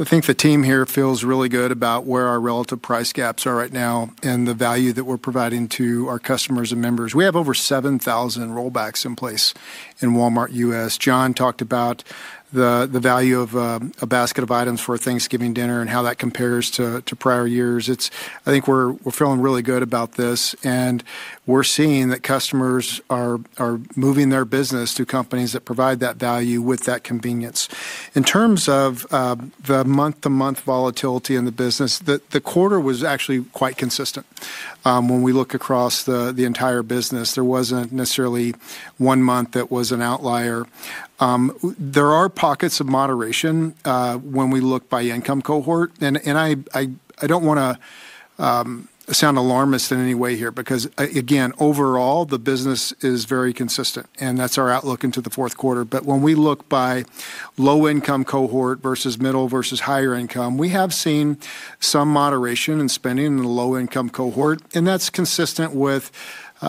Speaker 5: I think the team here feels really good about where our relative price gaps are right now and the value that we're providing to our customers and members. We have over 7,000 rollbacks in place in Walmart U.S.. John talked about the value of a basket of items for a Thanksgiving Dinner and how that compares to prior years. I think we're feeling really good about this. We're seeing that customers are moving their business to companies that provide that value with that convenience. In terms of the month-to-month volatility in the business, the quarter was actually quite consistent. When we look across the entire business, there wasn't necessarily one month that was an outlier. There are pockets of moderation when we look by income cohort. I don't want to sound alarmist in any way here, because, again, overall, the business is very consistent. That's our outlook into the fourth quarter. When we look by low-income cohort versus middle versus higher income, we have seen some moderation in spending in the low-income cohort. That's consistent with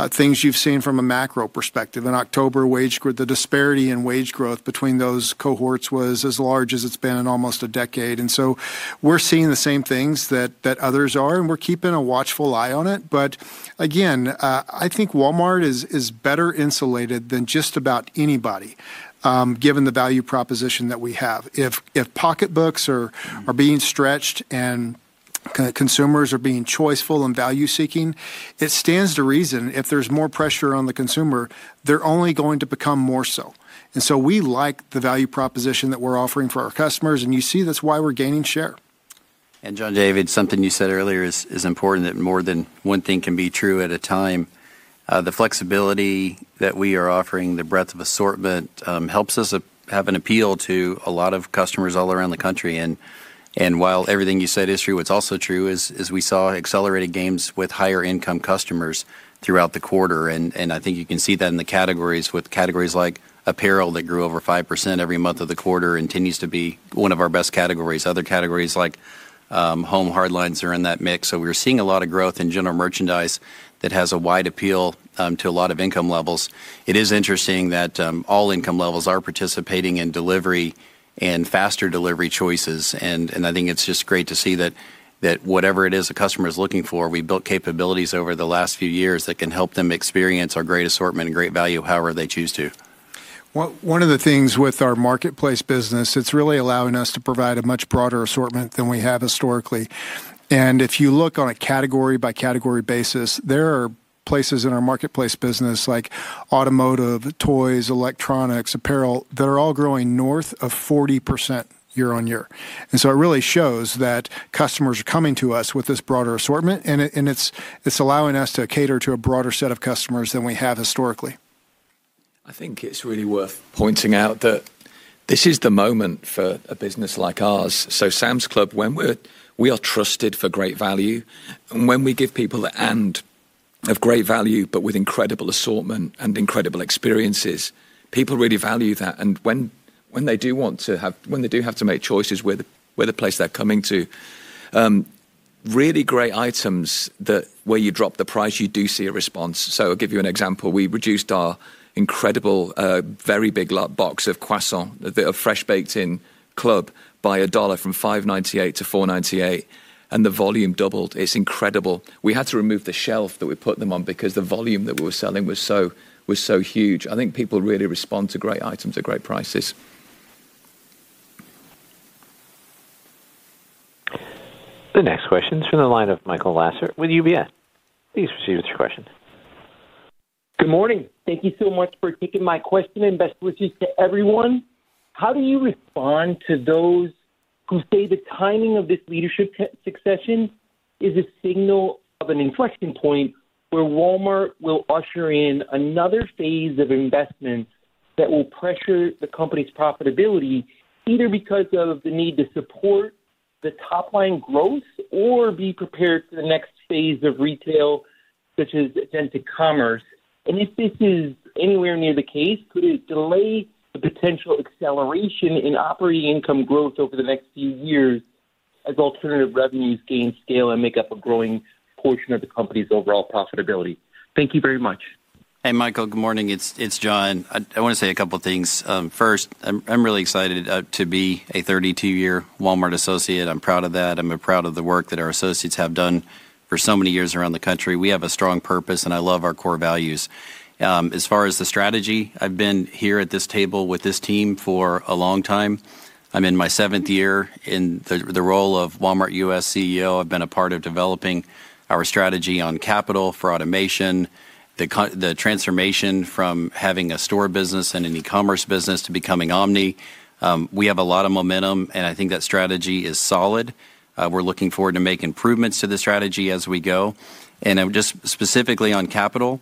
Speaker 5: things you've seen from a Macro perspective. In October, the disparity in wage growth between those Cohorts was as large as it's been in almost a decade. We are seeing the same things that others are, and we are keeping a watchful eye on it. Again, I think Walmart is better insulated than just about anybody, given the value proposition that we have. If pocketbooks are being stretched and consumers are being choiceful and value-seeking, it stands to reason if there is more pressure on the consumer, they are only going to become more so. We like the value proposition that we are offering for our customers. You see that is why we are gaining share.
Speaker 4: John David, something you said earlier is important that more than one thing can be true at a time. The flexibility that we are offering, the breadth of assortment helps us have an appeal to a lot of customers all around the country. While everything you said is true, what's also true is we saw accelerated gains with higher-income customers throughout the quarter. I think you can see that in the categories with categories like apparel that grew over 5% every month of the quarter and continues to be one of our best categories. Other categories like home hard lines are in that mix. We are seeing a lot of growth in General Merchandise that has a wide appeal to a lot of income levels. It is interesting that all income levels are participating in delivery and faster delivery choices. I think it's just great to see that whatever it is a customer is looking for, we built capabilities over the last few years that can help them experience our great assortment and great value however they choose to.
Speaker 5: One of the things with our marketplace business, it's really allowing us to provide a much broader assortment than we have historically. If you look on a category-by-category basis, there are places in our marketplace business like Automotive, Toys, Electronics, Apparel that are all growing north of 40% year-on-year. It really shows that customers are coming to us with this broader assortment, and it's allowing us to cater to a broader set of customers than we have historically.
Speaker 3: I think it's really worth pointing out that this is the moment for a business like ours. Sam's Club, we are trusted for great value. When we give people the end of great value, but with incredible assortment and incredible experiences, people really value that. When they do want to have, when they do have to make choices, we're the place they're coming to. Really great items that where you drop the price, you do see a response. I'll give you an example. We reduced our incredible, very big box of croissant that are fresh baked in club by a dollar from $5.98 to $4.98, and the volume doubled. It's incredible. We had to remove the shelf that we put them on because the volume that we were selling was so huge. I think people really respond to great items at great prices.
Speaker 1: The next question is from the line of Michael Lasser with UBS. Please proceed with your question. Good morning.
Speaker 11: Thank you so much for taking my question and best wishes to everyone. How do you respond to those who say the timing of this leadership succession is a signal of an inflection point where Walmart will usher in another phase of investment that will pressure the company's profitability, either because of the need to support the top-line growth or be prepared for the next phase of retail, such as attentive commerce? If this is anywhere near the case, could it delay the potential acceleration in Operating Income Growth over the next few years as alternative revenues gain scale and make up a growing portion of the company's overall profitability? Thank you very much.
Speaker 4: Hey, Michael, good morning. It's John. I want to say a couple of things. First, I'm really excited to be a 32-year Walmart Associate. I'm proud of that. I'm proud of the work that our Associates have done for so many years around the country. We have a strong purpose, and I love our core values. As far as the strategy, I've been here at this table with this team for a long time. I'm in my seventh year in the role of Walmart U.S. CEO. I've been a part of developing our strategy on capital for automation, the transformation from having a store business and an E-commerce business to becoming Omni. We have a lot of momentum, and I think that strategy is solid. We're looking forward to making improvements to the strategy as we go. Just specifically on capital,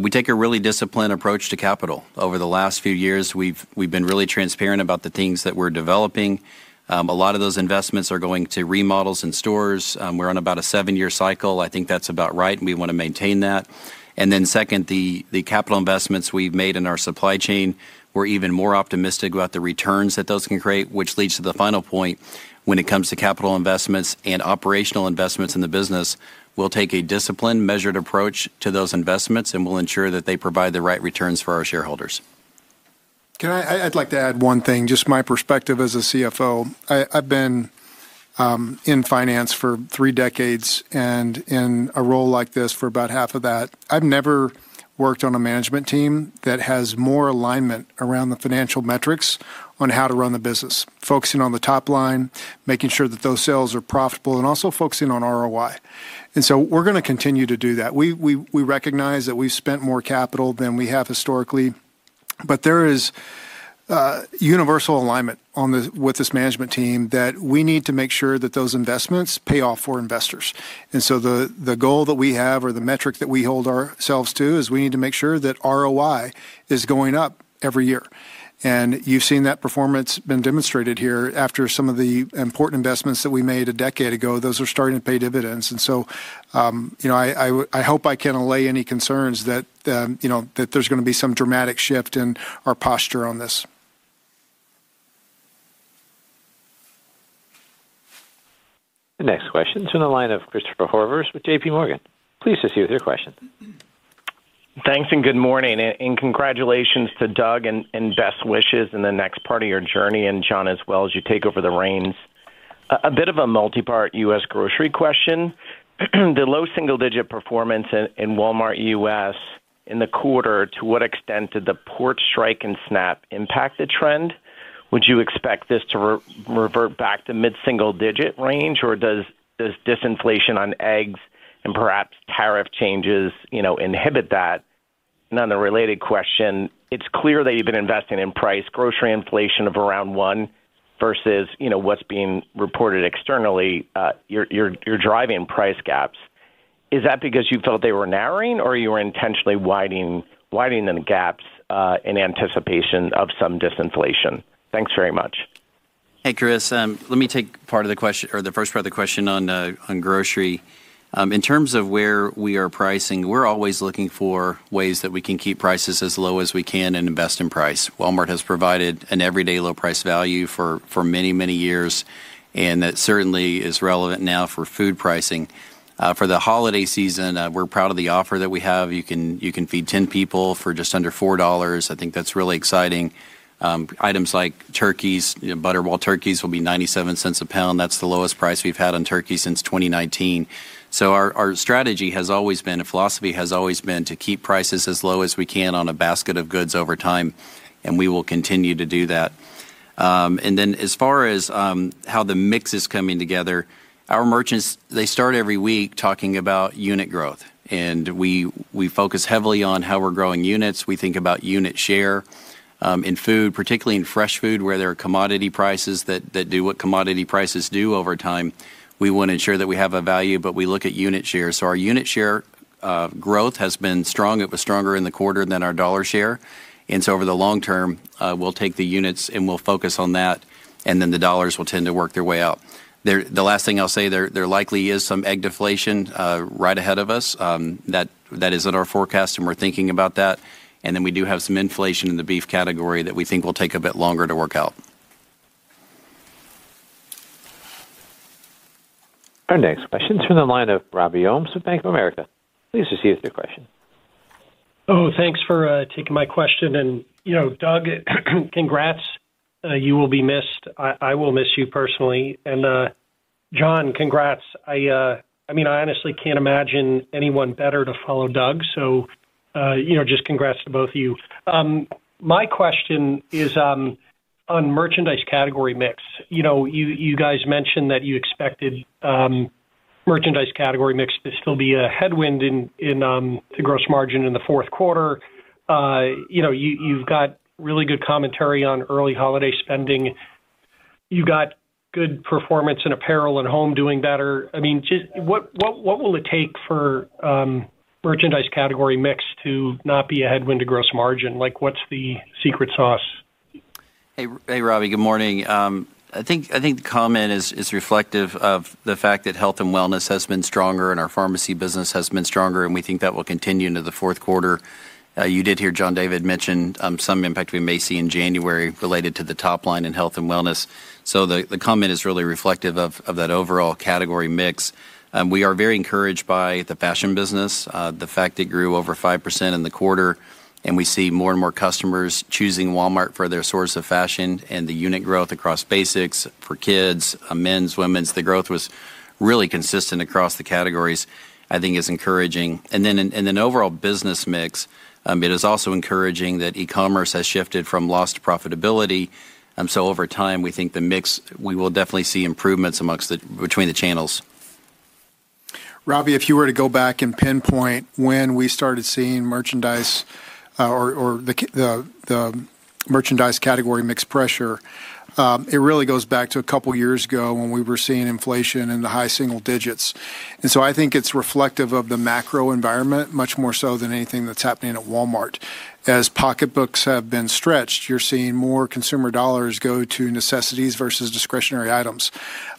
Speaker 4: we take a really disciplined approach to capital. Over the last few years, we've been really transparent about the things that we're developing. A lot of those investments are going to remodels and stores. We're on about a seven-year cycle. I think that's about right, and we want to maintain that. The capital investments we've made in our supply chain, we're even more optimistic about the returns that those can create, which leads to the final point. When it comes to capital investments and operational investments in the business, we'll take a disciplined, measured approach to those investments, and we'll ensure that they provide the right returns for our shareholders.
Speaker 5: I'd like to add one thing, just my perspective as a CFO. I've been in finance for three decades and in a role like this for about half of that. I've never worked on a Management Team that has more alignment around the Financial Metrics on how to run the business, focusing on the top line, making sure that those sales are profitable, and also focusing on ROI. We're going to continue to do that. We recognize that we've spent more capital than we have historically, but there is universal alignment with this management team that we need to make sure that those investments pay off for investors. The goal that we have or the metric that we hold ourselves to is we need to make sure that ROI is going up every year. You've seen that performance been demonstrated here after some of the important investments that we made a decade ago. Those are starting to pay dividends. I hope I can allay any concerns that there's going to be some dramatic shift in our posture on this.
Speaker 1: The next question is from the line of Christopher Horvers with JPMorgan. Please proceed with your question.
Speaker 12: Thanks and good morning. Congratulations to Doug and best wishes in the next part of your journey, and John as well, as you take over the reins. A bit of a multi-part U.S. Grocery question. The low single-digit performance in Walmart U.S. in the quarter, to what extent did the Port Strike and SNAP impact the trend? Would you expect this to revert back to mid-single-digit range, or does Disinflation on Eggs and perhaps tariff changes inhibit that? The related question, it's clear that you've been investing in price grocery inflation of around one versus what's being reported externally. You're driving price gaps. Is that because you felt they were narrowing, or you were intentionally widening the gaps in anticipation of some disinflation? Thanks very much.
Speaker 4: Hey, Chris, let me take part of the question or the first part of the question on grocery. In terms of where we are pricing, we're always looking for ways that we can keep prices as low as we can and invest in price. Walmart has provided an everyday low price value for many, many years, and that certainly is relevant now for Food Pricing. For the Holiday Season, we're proud of the offer that we have. You can feed 10 people for just under $4. I think that's really exciting. Items like turkeys, Butterball Turkeys will be 97 cents a pound. That's the lowest price we've had on Turkey since 2019. Our strategy has always been, the philosophy has always been to keep prices as low as we can on a basket of goods over time, and we will continue to do that. As far as how the mix is coming together, our merchants, they start every week talking about unit growth. We focus heavily on how we're growing units. We think about unit share in food, particularly in fresh food, where there are Commodity Prices that do what Commodity Prices do over time. We want to ensure that we have a value, but we look at unit share. Our unit share growth has been strong. It was stronger in the quarter than our dollar share. Over the long term, we'll take the units and we'll focus on that, and then the dollars will tend to work their way out. The last thing I'll say, there likely is some egg deflation right ahead of us. That isn't our forecast, and we're thinking about that. We do have some inflation in the Beef category that we think will take a bit longer to work out.
Speaker 1: Our next question is from the line of Robby Ohmes with Bank of America. Please proceed with your question.
Speaker 13: Oh, thanks for taking my question. Doug, congrats. You will be missed. I will miss you personally. John, congrats. I mean, I honestly can't imagine anyone better to follow Doug. Just congrats to both of you. My question is on merchandise category mix. You guys mentioned that you expected merchandise category mix to still be a headwind to Gross Margin in the fourth quarter. You've got really good commentary on early holiday spending. You've got good performance in Apparel and home doing better. I mean, what will it take for merchandise category mix to not be a headwind to gross margin? What's the secret sauce?
Speaker 4: Hey, Robby, good morning. I think the comment is reflective of the fact that health and wellness has been stronger and our pharmacy business has been stronger, and we think that will continue into the fourth quarter. You did hear John David mention some impact we may see in January related to the top line in health and wellness. The comment is really reflective of that overall category mix. We are very encouraged by the fashion business, the fact it grew over 5% in the quarter, and we see more and more customers choosing Walmart for their source of fashion and the unit growth across basics for kids, men's, women's. The growth was really consistent across the categories, I think is encouraging. In the overall business mix, it is also encouraging that E-commerce has shifted from loss to profitability. Over time, we think the mix. We will definitely see improvements between the channels.
Speaker 5: Robbie, if you were to go back and pinpoint when we started seeing merchandise or the merchandise category mix pressure, it really goes back to a couple of years ago when we were seeing inflation in the high single digits. I think it is reflective of the Macro environment, much more so than anything that is happening at Walmart. As pocketbooks have been stretched, you are seeing more consumer dollars go to necessities versus discretionary items.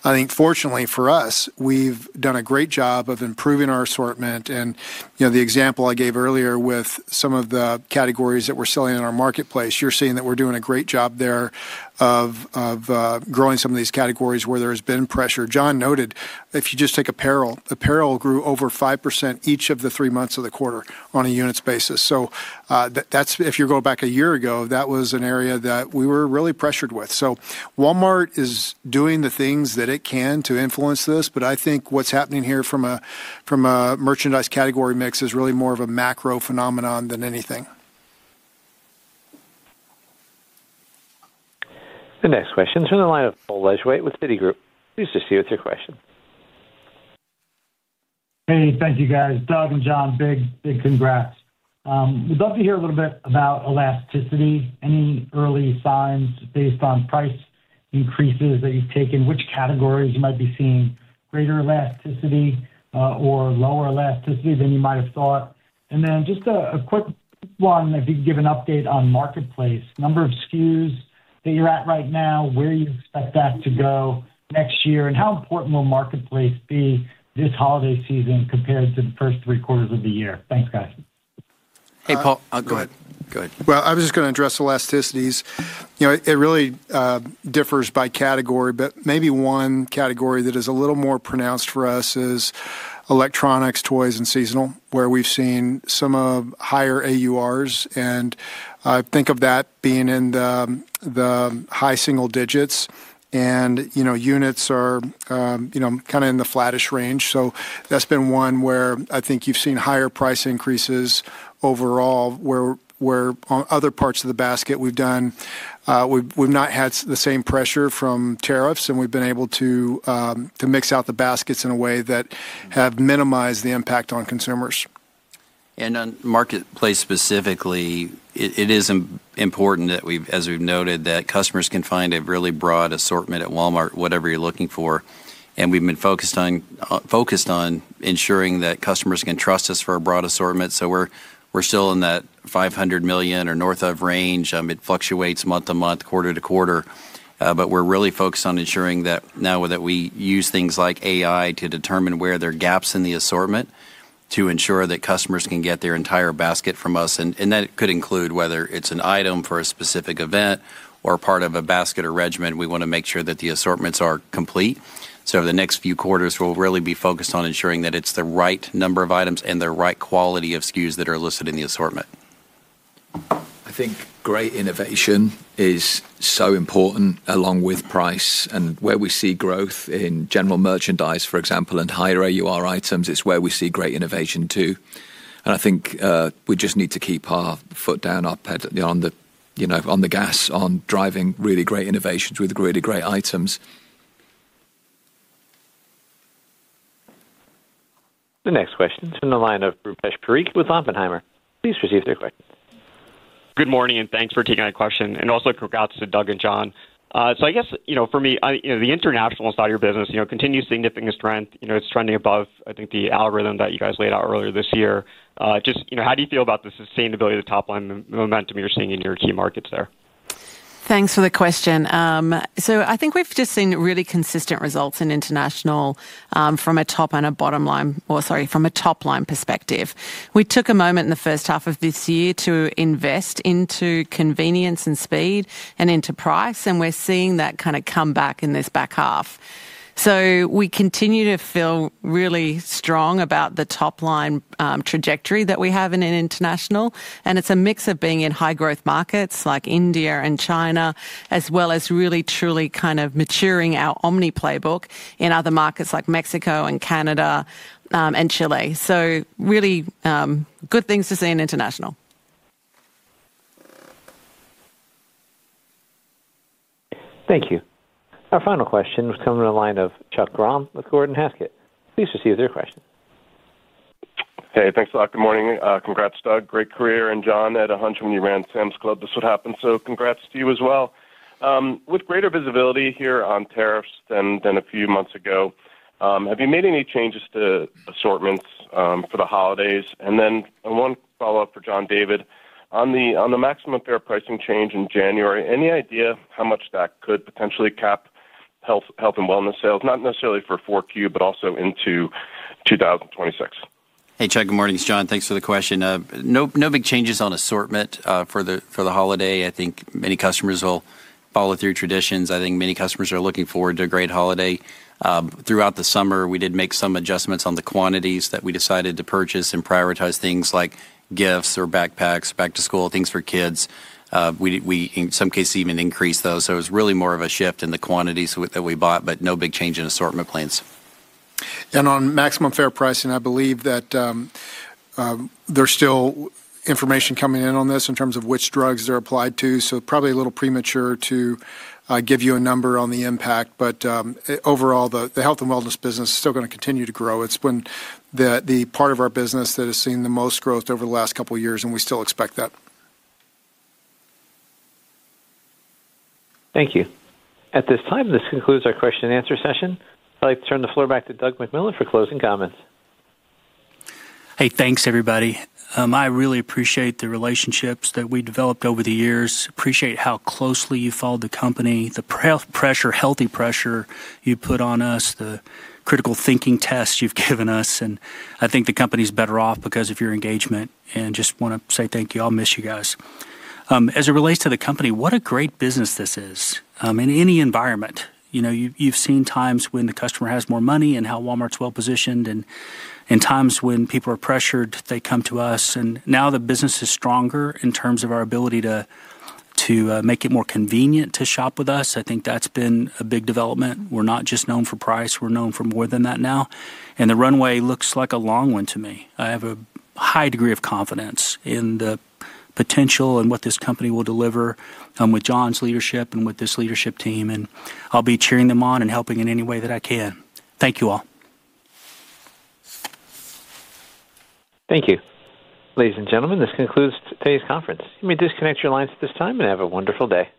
Speaker 5: I think, fortunately for us, we have done a great job of improving our assortment. The example I gave earlier with some of the categories that we are selling in our marketplace, you are seeing that we are doing a great job there of growing some of these categories where there has been pressure. John noted, if you just take apparel, apparel grew over 5% each of the three months of the quarter on a units basis. If you go back a year ago, that was an area that we were really pressured with. Walmart is doing the things that it can to influence this, but I think what's happening here from a merchandise category mix is really more of a Macro phenomenon than anything.
Speaker 1: The next question is from the line of Paul Lejuez with Citigroup. Please proceed with your question.
Speaker 14: Hey, thank you, guys. Doug and John, big congrats. We'd love to hear a little bit about elasticity, any early signs based on price increases that you've taken, which categories you might be seeing greater elasticity or lower elasticity than you might have thought. Just a quick one, if you can give an update on marketplace, number of SKUs that you're at right now, where you expect that to go next year, and how important will marketplace be this holiday season compared to the first three quarters of the year? Thanks, guys.
Speaker 5: Hey, Paul. Go ahead. Go ahead. I was just going to address elasticities. It really differs by category, but maybe one category that is a little more pronounced for us is electronics, toys, and seasonal, where we've seen some higher AURs. I think of that being in the high single digits, and units are kind of in the flattish range. That has been one where I think you've seen higher price increases overall, where on other parts of the basket, we've not had the same pressure from tariffs, and we've been able to mix out the baskets in a way that has minimized the impact on consumers.
Speaker 4: On marketplace specifically, it is important that, as we've noted, customers can find a really broad assortment at Walmart, whatever you're looking for. We've been focused on ensuring that customers can trust us for a broad assortment. We're still in that 500 million or north of range. It fluctuates month to month, quarter to quarter. We're really focused on ensuring that now that we use things like AI to determine where there are gaps in the assortment to ensure that customers can get their entire basket from us. That could include whether it's an item for a specific event or part of a basket or regiment. We want to make sure that the assortments are complete. The next few quarters, we'll really be focused on ensuring that it's the right number of items and the right quality of SKUs that are listed in the assortment.
Speaker 3: I think great innovation is so important along with price. Where we see growth in General Merchandise, for example, and higher AUR items, it's where we see great innovation too. I think we just need to keep our foot down, our pedal on the gas on driving really great innovations with really great items.
Speaker 1: The next question is from the line of Rupesh Parikh with Oppenheimer. Please proceed with your question.
Speaker 15: Good morning, and thanks for taking my question. Also, congrats to Doug and John. I guess for me, the international side of your business continues to see significant strength. It's trending above, I think, the algorithm that you guys laid out earlier this year. Just how do you feel about the sustainability of the top line momentum you're seeing in your key markets there?
Speaker 2: Thanks for the question. I think we've just seen really consistent results in international from a top and a bottom line, or sorry, from a top line perspective. We took a moment in the first half of this year to invest into convenience and speed and into price, and we're seeing that kind of come back in this back half. We continue to feel really strong about the top line trajectory that we have in international. It's a mix of being in high growth markets like India and China, as well as really truly kind of maturing our omni playbook in other markets like Mexico and Canada and Chile. Really good things to see in international.
Speaker 1: Thank you. Our final question was coming from the line of Chuck Grom with Gordon Haskett. Please proceed with your question.
Speaker 16: Hey, thanks a lot. Good morning. Congrats, Doug. Great career. And John, had a hunch when you ran Sam's Club, this would happen. Congrats to you as well. With greater visibility here on tariffs than a few months ago, have you made any changes to assortments for the holidays? One follow-up for John David. On the maximum fair pricing change in January, any idea how much that could potentially cap health and wellness sales, not necessarily for Q4, but also into 2026?
Speaker 4: Hey, Chuck. Good morning. It's John. Thanks for the question. No big changes on assortment for the holiday. I think many customers will follow through traditions. I think many customers are looking forward to a great Holiday. Throughout the summer, we did make some adjustments on the quantities that we decided to purchase and prioritize things like gifts or backpacks, back to school, things for kids. We, in some cases, even increased those. It was really more of a shift in the quantities that we bought, but no big change in Assortment Plans.
Speaker 5: On maximum fair pricing, I believe that there's still information coming in on this in terms of which drugs they're applied to. Probably a little premature to give you a number on the impact. Overall, the health and wellness business is still going to continue to grow. It's been the part of our business that has seen the most growth over the last couple of years, and we still expect that.
Speaker 1: Thank you. At this time, this concludes our question and answer session. I'd like to turn the floor back to Doug McMillon for closing comments.
Speaker 3: Hey, thanks, everybody. I really appreciate the relationships that we developed over the years. Appreciate how closely you followed the company, the healthy pressure you put on us, the critical thinking tests you've given us. I think the company's better off because of your engagement. Just want to say thank you. I'll miss you guys. As it relates to the company, what a great business this is in any environment. You've seen times when the customer has more money and how Walmart's well-positioned, and times when people are pressured, they come to us. Now the business is stronger in terms of our ability to make it more convenient to shop with us. I think that's been a big development. We're not just known for price. We're known for more than that now. The runway looks like a long one to me. I have a high degree of confidence in the potential and what this company will deliver with John's leadership and with this leadership team. I'll be cheering them on and helping in any way that I can. Thank you all.
Speaker 1: Thank you. Ladies and gentlemen, this concludes today's conference. You may disconnect your lines at this time and have a wonderful day.